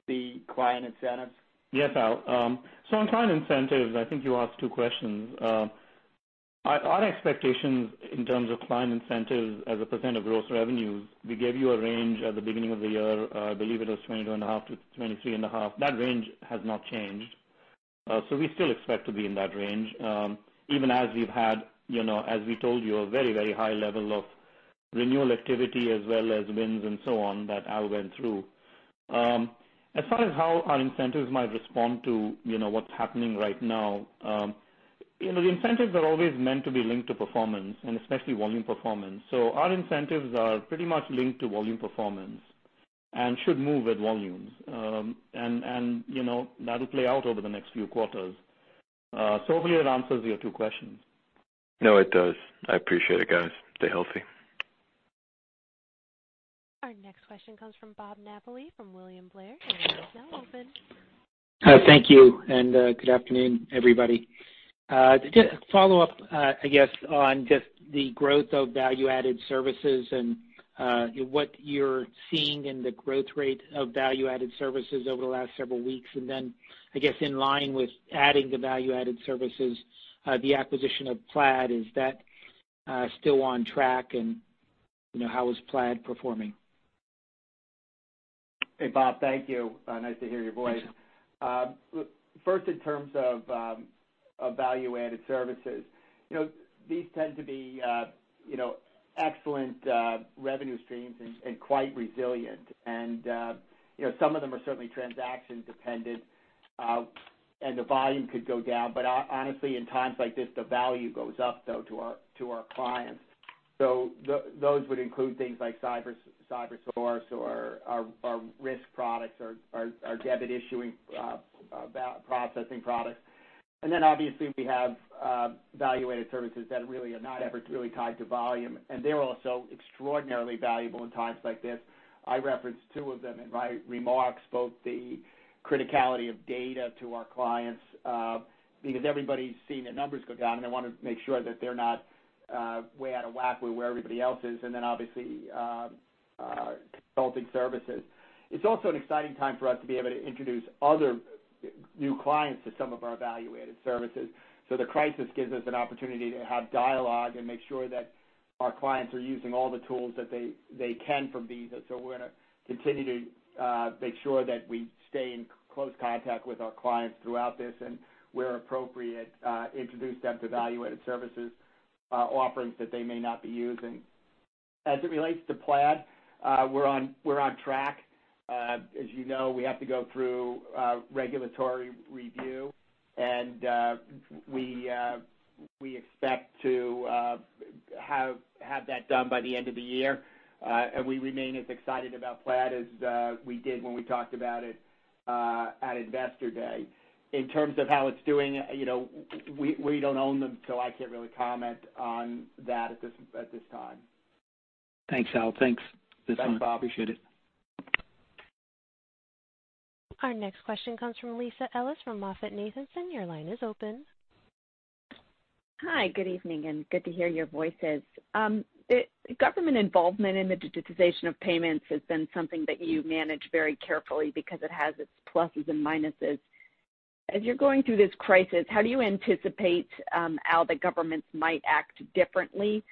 the client incentives? Yes, Al. On client incentives, I think you asked two questions. Our expectations in terms of client incentives as a percent of gross revenues, we gave you a range at the beginning of the year. I believe it was 22.5%-23.5%. That range has not changed. We still expect to be in that range even as we've had, as we told you, a very high level of renewal activity as well as wins and so on that Al went through. As far as how our incentives might respond to what's happening right now, the incentives are always meant to be linked to performance, and especially volume performance. Our incentives are pretty much linked to volume performance and should move with volumes. That'll play out over the next few quarters. Hopefully that answers your two questions. No, it does. I appreciate it, guys. Stay healthy. Our next question comes from Bob Napoli from William Blair. Your line is now open. Thank you. Good afternoon, everybody. To follow up, I guess, on just the growth of value-added services and what you're seeing in the growth rate of value-added services over the last several weeks. Then, I guess, in line with adding the value-added services, the acquisition of Plaid, is that still on track? How is Plaid performing? Hey, Bob. Thank you. Nice to hear your voice. Thanks. First, in terms of value-added services. These tend to be excellent revenue streams and quite resilient. Some of them are certainly transaction-dependent, and the volume could go down. Honestly, in times like this, the value goes up, though, to our clients. Those would include things like Cybersource or our risk products, our debit issuing, processing products. Obviously we have value-added services that really are not ever really tied to volume, and they're also extraordinarily valuable in times like this. I referenced two of them in my remarks, both the criticality of data to our clients, because everybody's seeing their numbers go down, and they want to make sure that they're not way out of whack with where everybody else is, and then obviously consulting services. It's also an exciting time for us to be able to introduce other new clients to some of our value-added services. The crisis gives us an opportunity to have dialogue and make sure that our clients are using all the tools that they can from Visa. We're going to continue to make sure that we stay in close contact with our clients throughout this and, where appropriate, introduce them to value-added services offerings that they may not be using. As it relates to Plaid, we're on track. As you know, we have to go through regulatory review, and we expect to have that done by the end of the year. We remain as excited about Plaid as we did when we talked about it at Investor Day. In terms of how it's doing, we don't own them, so I can't really comment on that at this time. Thanks, Al. Thanks, Vasant. Thanks, Bob. Appreciate it. Our next question comes from Lisa Ellis from MoffettNathanson. Your line is open. Hi, good evening and good to hear your voices. Government involvement in the digitization of payments has been something that you manage very carefully because it has its pluses and minuses. As you're going through this crisis, how do you anticipate how the governments might act differently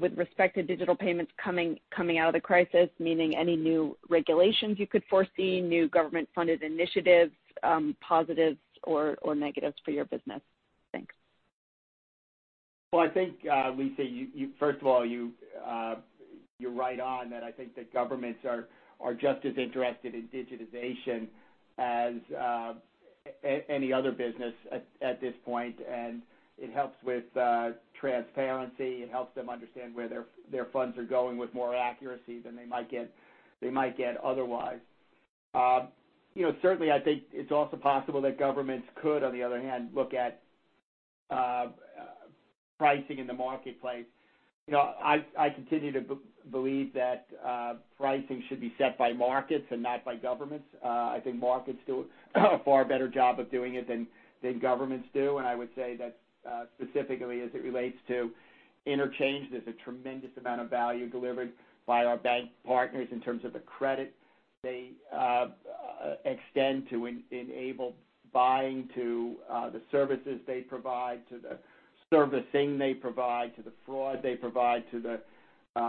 with respect to digital payments coming out of the crisis? Meaning any new regulations you could foresee, new government-funded initiatives, positives or negatives for your business? Thanks. Well, I think, Lisa, first of all, you're right on that I think that governments are just as interested in digitization as any other business at this point, and it helps with transparency. It helps them understand where their funds are going with more accuracy than they might get otherwise. Certainly, I think it's also possible that governments could, on the other hand, look at pricing in the marketplace. I continue to believe that pricing should be set by markets and not by governments. I think markets do a far better job of doing it than governments do. I would say that specifically as it relates to interchange, there's a tremendous amount of value delivered by our bank partners in terms of the credit they extend to enable buying to the services they provide, to the servicing they provide, to the fraud they provide, to the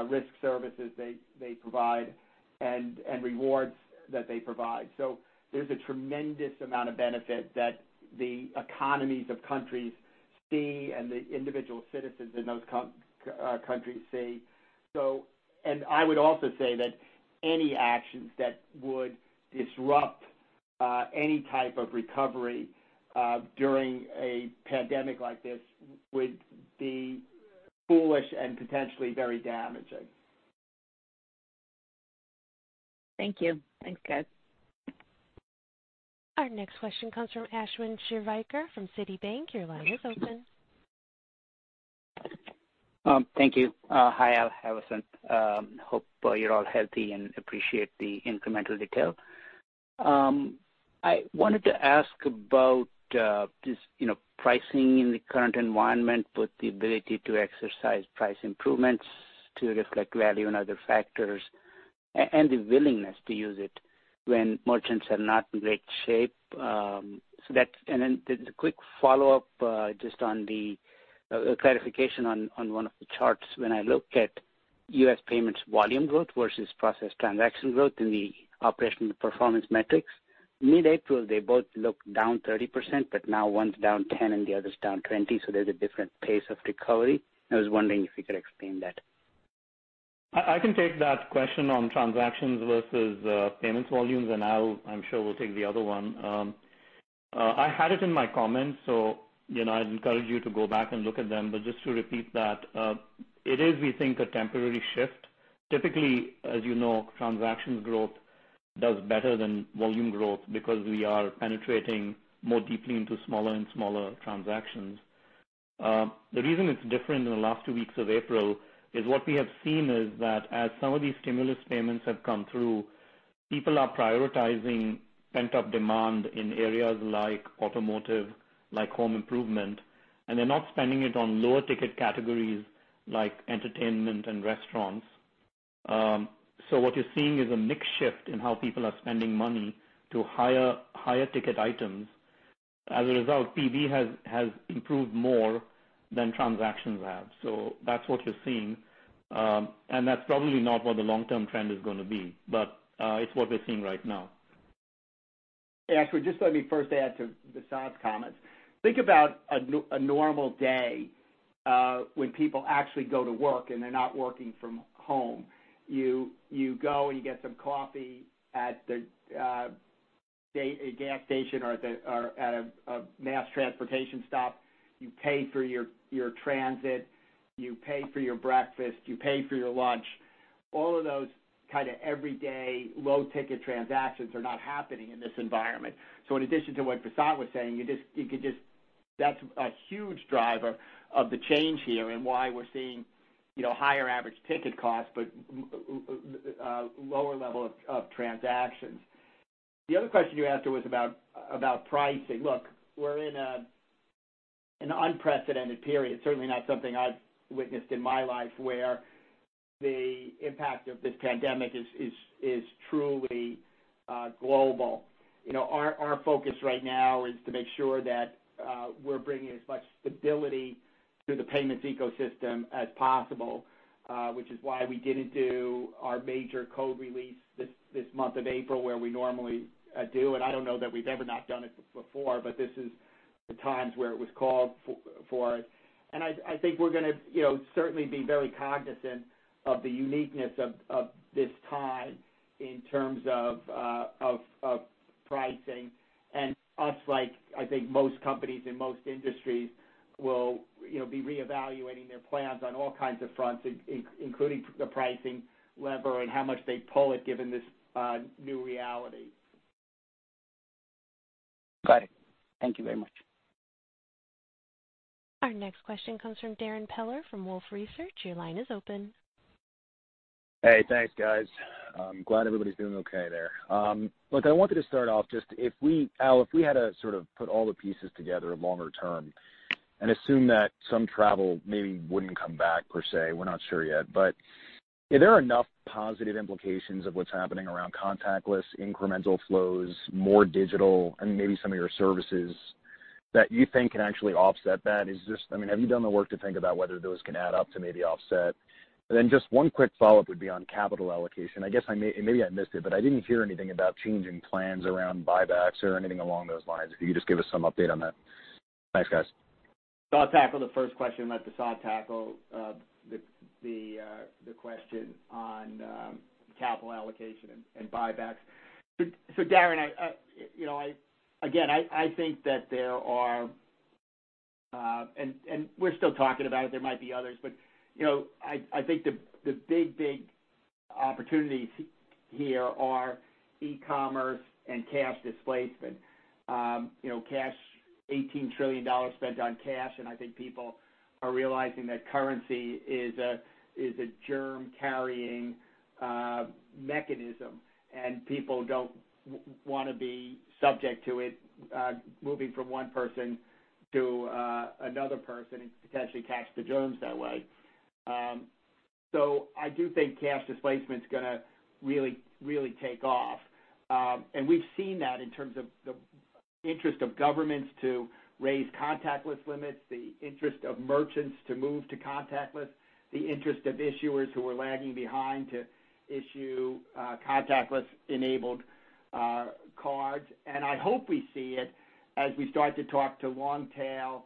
risk services they provide, and rewards that they provide. There's a tremendous amount of benefit that the economies of countries see and the individual citizens in those countries see. I would also say that any actions that would disrupt any type of recovery during a pandemic like this would be foolish and potentially very damaging. Thank you. Thanks, guys. Our next question comes from Ashwin Shirvaikar from Citi. Your line is open. Thank you. Hi, Al, Vasant. Hope you're all healthy and appreciate the incremental detail. I wanted to ask about just pricing in the current environment with the ability to exercise price improvements to reflect value and other factors, and the willingness to use it when merchants are not in great shape. The quick follow-up just on the clarification on one of the charts. When I look at U.S. payments volume growth versus processed transaction growth in the operational performance metrics, mid-April, they both look down 30%. Now one's down 10% and the other's down 20%. There's a different pace of recovery. I was wondering if you could explain that. I can take that question on transactions versus payments volumes. Al, I'm sure, will take the other one. I had it in my comments. I'd encourage you to go back and look at them. Just to repeat that, it is, we think, a temporary shift. Typically, as you know, transactions growth does better than volume growth because we are penetrating more deeply into smaller and smaller transactions. The reason it's different in the last two weeks of April is what we have seen is that as some of these stimulus payments have come through, people are prioritizing pent-up demand in areas like automotive, like home improvement, and they're not spending it on lower-ticket categories like entertainment and restaurants. What you're seeing is a mix shift in how people are spending money to higher-ticket items. As a result, PV has improved more than transactions have. That's what you're seeing. That's probably not what the long-term trend is going to be, but it's what we're seeing right now. Yeah, actually, just let me first add to Vasant's comments. Think about a normal day when people actually go to work and they're not working from home. You go and you get some coffee at the gas station or at a mass transportation stop. You pay for your transit, you pay for your breakfast, you pay for your lunch. All of those kind of everyday low-ticket transactions are not happening in this environment. In addition to what Vasant was saying, that's a huge driver of the change here and why we're seeing higher average ticket costs, but lower level of transactions. The other question you asked was about pricing. Look, we're in an unprecedented period, certainly not something I've witnessed in my life, where the impact of this pandemic is truly global. Our focus right now is to make sure that we're bringing as much stability to the payments ecosystem as possible, which is why we didn't do our major code release this month of April where we normally do. I don't know that we've ever not done it before, but this is the times where it was called for. I think we're going to certainly be very cognizant of the uniqueness of this time in terms of pricing. Us, like I think most companies in most industries, will be reevaluating their plans on all kinds of fronts, including the pricing lever and how much they pull it given this new reality. Got it. Thank you very much. Our next question comes from Darrin Peller from Wolfe Research. Your line is open. Hey, thanks guys. I'm glad everybody's doing okay there. Look, I wanted to start off just if we, Al, if we had to sort of put all the pieces together longer term and assume that some travel maybe wouldn't come back per se, we're not sure yet. Are there enough positive implications of what's happening around contactless incremental flows, more digital, and maybe some of your services that you think can actually offset that? Have you done the work to think about whether those can add up to maybe offset? Just one quick follow-up would be on capital allocation. I guess maybe I missed it, but I didn't hear anything about changing plans around buybacks or anything along those lines. If you could just give us some update on that. Thanks, guys. I'll tackle the first question, and let Vasant tackle the question on capital allocation and buybacks. Darrin, again, I think that we're still talking about it, there might be others, but I think the big opportunities here are e-commerce and cash displacement. $18 trillion spent on cash, and I think people are realizing that currency is a germ-carrying mechanism, and people don't want to be subject to it moving from one person to another person and potentially catch the germs that way. I do think cash displacement's going to really take off. We've seen that in terms of the interest of governments to raise contactless limits, the interest of merchants to move to contactless, the interest of issuers who are lagging behind to issue contactless-enabled cards. I hope we see it as we start to talk to long-tail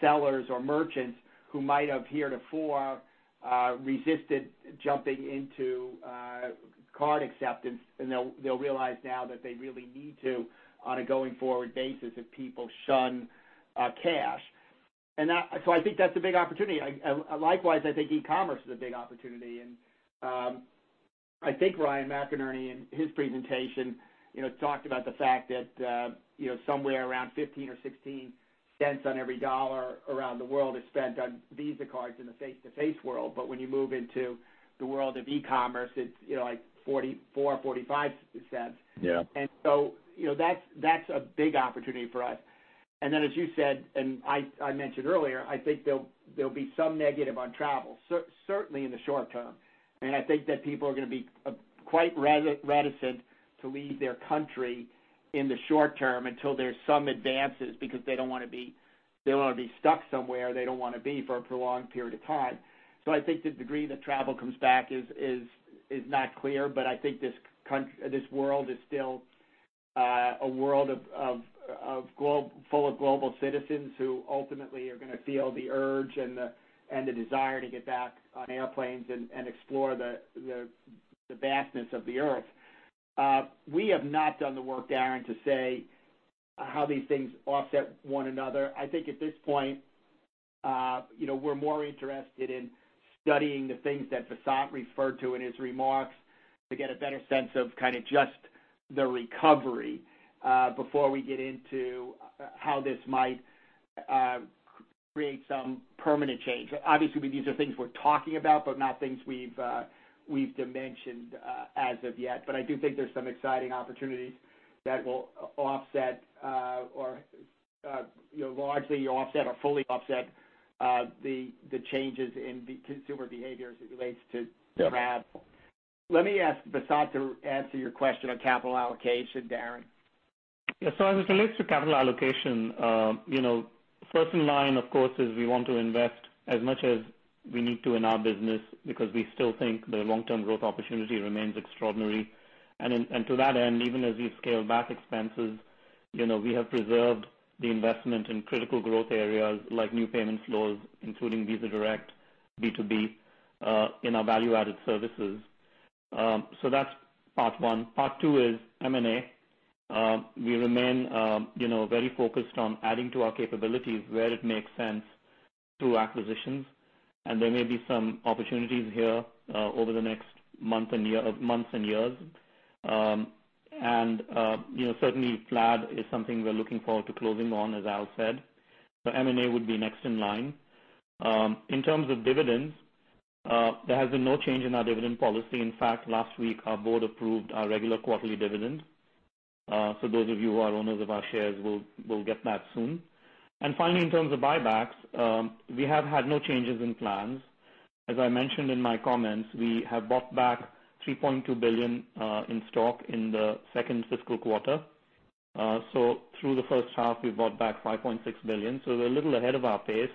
sellers or merchants who might have heretofore resisted jumping into card acceptance, and they'll realize now that they really need to on a going-forward basis if people shun cash. I think that's a big opportunity. Likewise, I think e-commerce is a big opportunity. I think Ryan McInerney in his presentation talked about the fact that somewhere around $0.15 or $0.16 on every dollar around the world is spent on Visa cards in the face-to-face world. When you move into the world of e-commerce, it's like $0.44 or $0.45. Yeah. That's a big opportunity for us. As you said, and I mentioned earlier, I think there'll be some negative on travel. Certainly in the short term. I think that people are going to be quite reticent to leave their country in the short term until there's some advances because they don't want to be stuck somewhere they don't want to be for a prolonged period of time. I think the degree that travel comes back is not clear. I think this world is still a world full of global citizens who ultimately are going to feel the urge and the desire to get back on airplanes and explore the vastness of the earth. We have not done the work, Darrin, to say how these things offset one another. I think at this point we're more interested in studying the things that Vasant referred to in his remarks to get a better sense of kind of just the recovery before we get into how this might create some permanent change. Obviously, these are things we're talking about, but not things we've dimensioned as of yet. I do think there's some exciting opportunities that will largely offset or fully offset the changes in consumer behavior as it relates to travel. Let me ask Vasant to answer your question on capital allocation, Darrin. Yeah. As it relates to capital allocation, first in line of course, is we want to invest as much as we need to in our business because we still think the long-term growth opportunity remains extraordinary. To that end, even as we've scaled back expenses, we have preserved the investment in critical growth areas like new payment flows, including Visa Direct, B2B in our value-added services. That's part one. Part two is M&A. We remain very focused on adding to our capabilities where it makes sense through acquisitions. There may be some opportunities here over the next months and years. Certainly Plaid is something we're looking forward to closing on, as Al said. M&A would be next in line. In terms of dividends, there has been no change in our dividend policy. In fact, last week our board approved our regular quarterly dividend. Those of you who are owners of our shares will get that soon. Finally, in terms of buybacks, we have had no changes in plans. As I mentioned in my comments, we have bought back $3.2 billion in stock in the second fiscal quarter. Through the first half, we bought back $5.6 billion. We're a little ahead of our pace.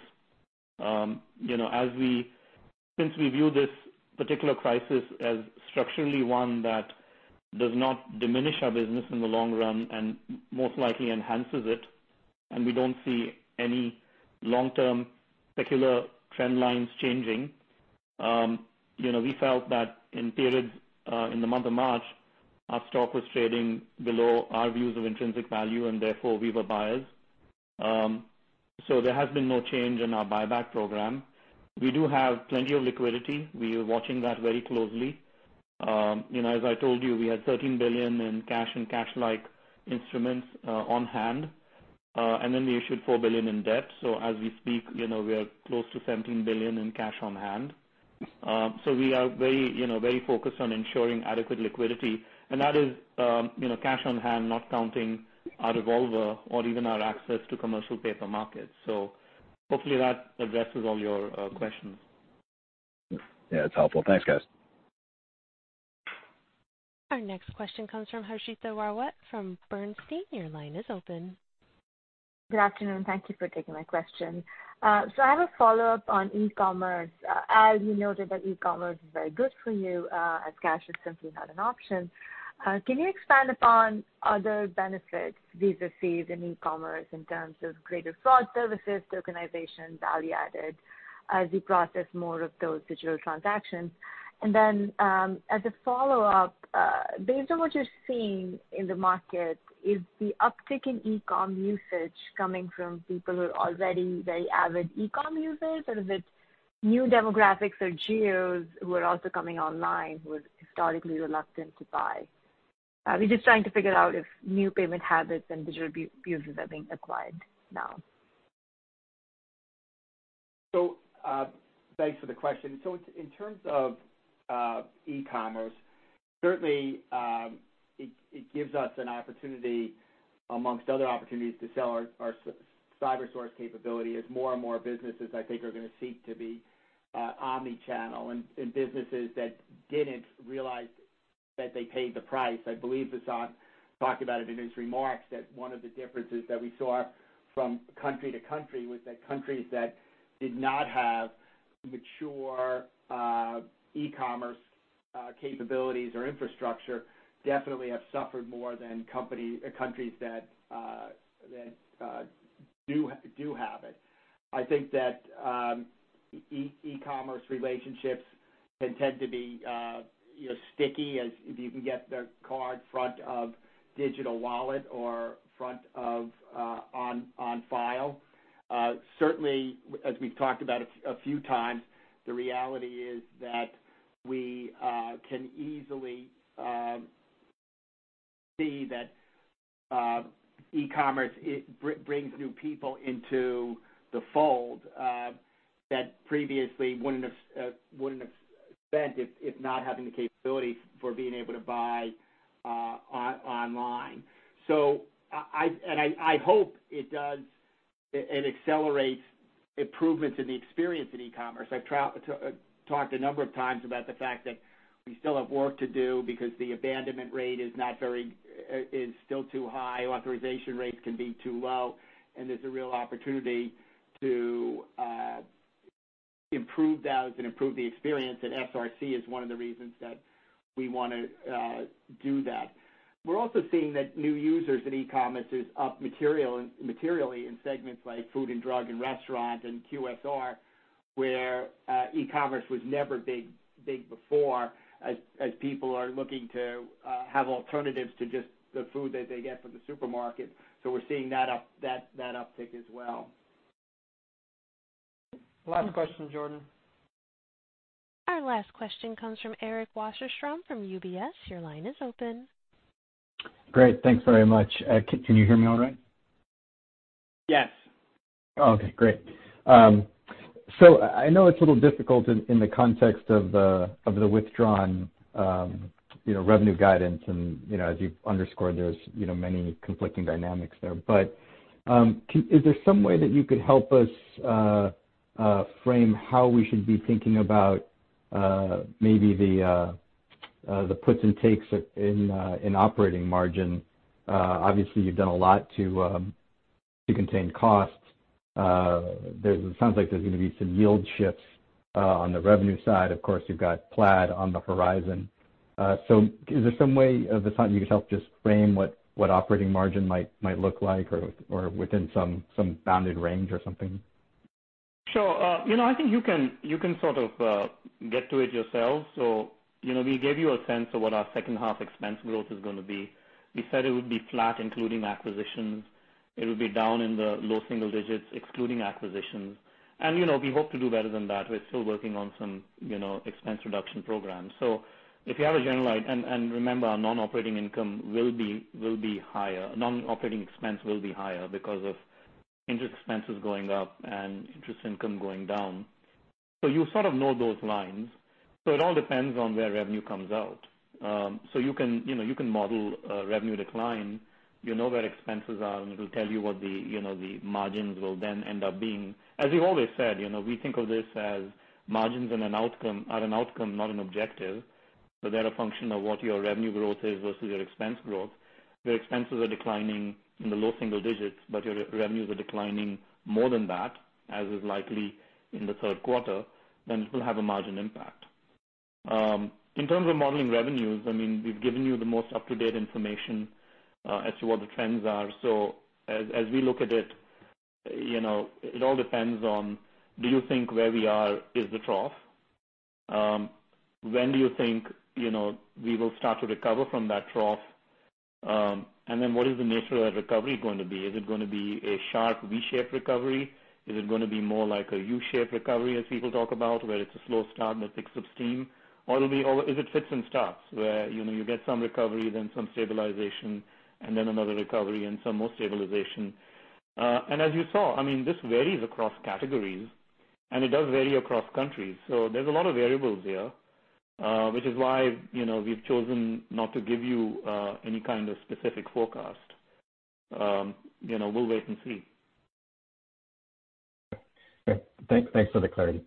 Since we view this particular crisis as structurally one that does not diminish our business in the long run and most likely enhances it, and we don't see any long-term secular trend lines changing. We felt that in periods in the month of March, our stock was trading below our views of intrinsic value, and therefore we were buyers. There has been no change in our buyback program. We do have plenty of liquidity. We are watching that very closely. As I told you, we had $13 billion in cash and cash-like instruments on hand, we issued $4 billion in debt. As we speak, we are close to $17 billion in cash on hand. We are very focused on ensuring adequate liquidity, that is cash on hand, not counting our revolver or even our access to commercial paper markets. Hopefully that addresses all your questions. Yeah, it's helpful. Thanks, guys. Our next question comes from Harshita Rawat from Bernstein. Your line is open. Good afternoon. Thank you for taking my question. I have a follow-up on e-commerce. Al, you noted that e-commerce is very good for you as cash is simply not an option. Can you expand upon other benefits Visa sees in e-commerce in terms of greater fraud services, tokenization, value added as you process more of those digital transactions? As a follow-up, based on what you're seeing in the market, is the uptick in e-com usage coming from people who are already very avid e-com users? Or is it new demographics or geos who are also coming online who were historically reluctant to buy? We're just trying to figure out if new payment habits and digital views are being acquired now. Thanks for the question. In terms of e-commerce, certainly it gives us an opportunity amongst other opportunities to sell our Cybersource capability as more and more businesses, I think, are going to seek to be omnichannel and businesses that didn't realize that they paid the price. I believe Vasant talked about it in his remarks, that one of the differences that we saw from country to country was that countries that did not have mature e-commerce capabilities or infrastructure definitely have suffered more than countries that do have it. I think that e-commerce relationships can tend to be sticky if you can get the card front of digital wallet or front of on file. Certainly, as we've talked about a few times, the reality is that we can easily see that e-commerce brings new people into the fold that previously wouldn't have spent if not having the capability for being able to buy online. I hope it does and accelerates improvements in the experience in e-commerce. I've talked a number of times about the fact that we still have work to do because the abandonment rate is still too high. Authorization rates can be too low, and there's a real opportunity to improve those and improve the experience, and SRC is one of the reasons that we want to do that. We're also seeing that new users in e-commerce is up materially in segments like food and drug and restaurant and QSR, where e-commerce was never big before as people are looking to have alternatives to just the food that they get from the supermarket. We're seeing that uptick as well. Last question, Jordan. Our last question comes from Eric Wasserstrom from UBS. Your line is open. Great. Thanks very much. Can you hear me all right? Yes. Okay, great. I know it's a little difficult in the context of the withdrawn revenue guidance, and as you've underscored, there's many conflicting dynamics there. Is there some way that you could help us frame how we should be thinking about maybe the puts and takes in operating margin? Obviously, you've done a lot to contain costs. It sounds like there's going to be some yield shifts on the revenue side. Of course, you've got Plaid on the horizon. Is there some way, Vasant, you could help just frame what operating margin might look like or within some bounded range or something? Sure. I think you can sort of get to it yourself. We gave you a sense of what our second half expense growth is going to be. We said it would be flat, including acquisitions. It will be down in the low single-digits, excluding acquisitions. We hope to do better than that. We're still working on some expense reduction programs. If you have, remember, our non-operating income will be higher. Non-operating expense will be higher because of interest expenses going up and interest income going down. You sort of know those lines. It all depends on where revenue comes out. You can model a revenue decline, you know where expenses are, it'll tell you what the margins will then end up being. As we've always said, we think of this as margins are an outcome, not an objective. They're a function of what your revenue growth is versus your expense growth. If your expenses are declining in the low single digits, but your revenues are declining more than that, as is likely in the third quarter, then it will have a margin impact. In terms of modeling revenues, we've given you the most up-to-date information as to what the trends are. As we look at it all depends on, do you think where we are is the trough? When do you think we will start to recover from that trough? What is the nature of that recovery going to be? Is it going to be a sharp V-shaped recovery? Is it going to be more like a U-shaped recovery as people talk about, where it's a slow start and it picks up steam? Is it fits and starts where you get some recovery, then some stabilization, and then another recovery and some more stabilization? As you saw, this varies across categories, and it does vary across countries. There's a lot of variables here, which is why we've chosen not to give you any kind of specific forecast. We'll wait and see. Okay. Thanks for the clarity.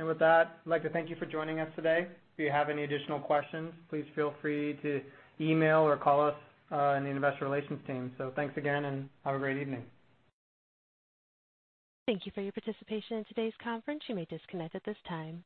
With that, I'd like to thank you for joining us today. If you have any additional questions, please feel free to email or call us in the Investor Relations team. Thanks again, and have a great evening. Thank you for your participation in today's conference. You may disconnect at this time.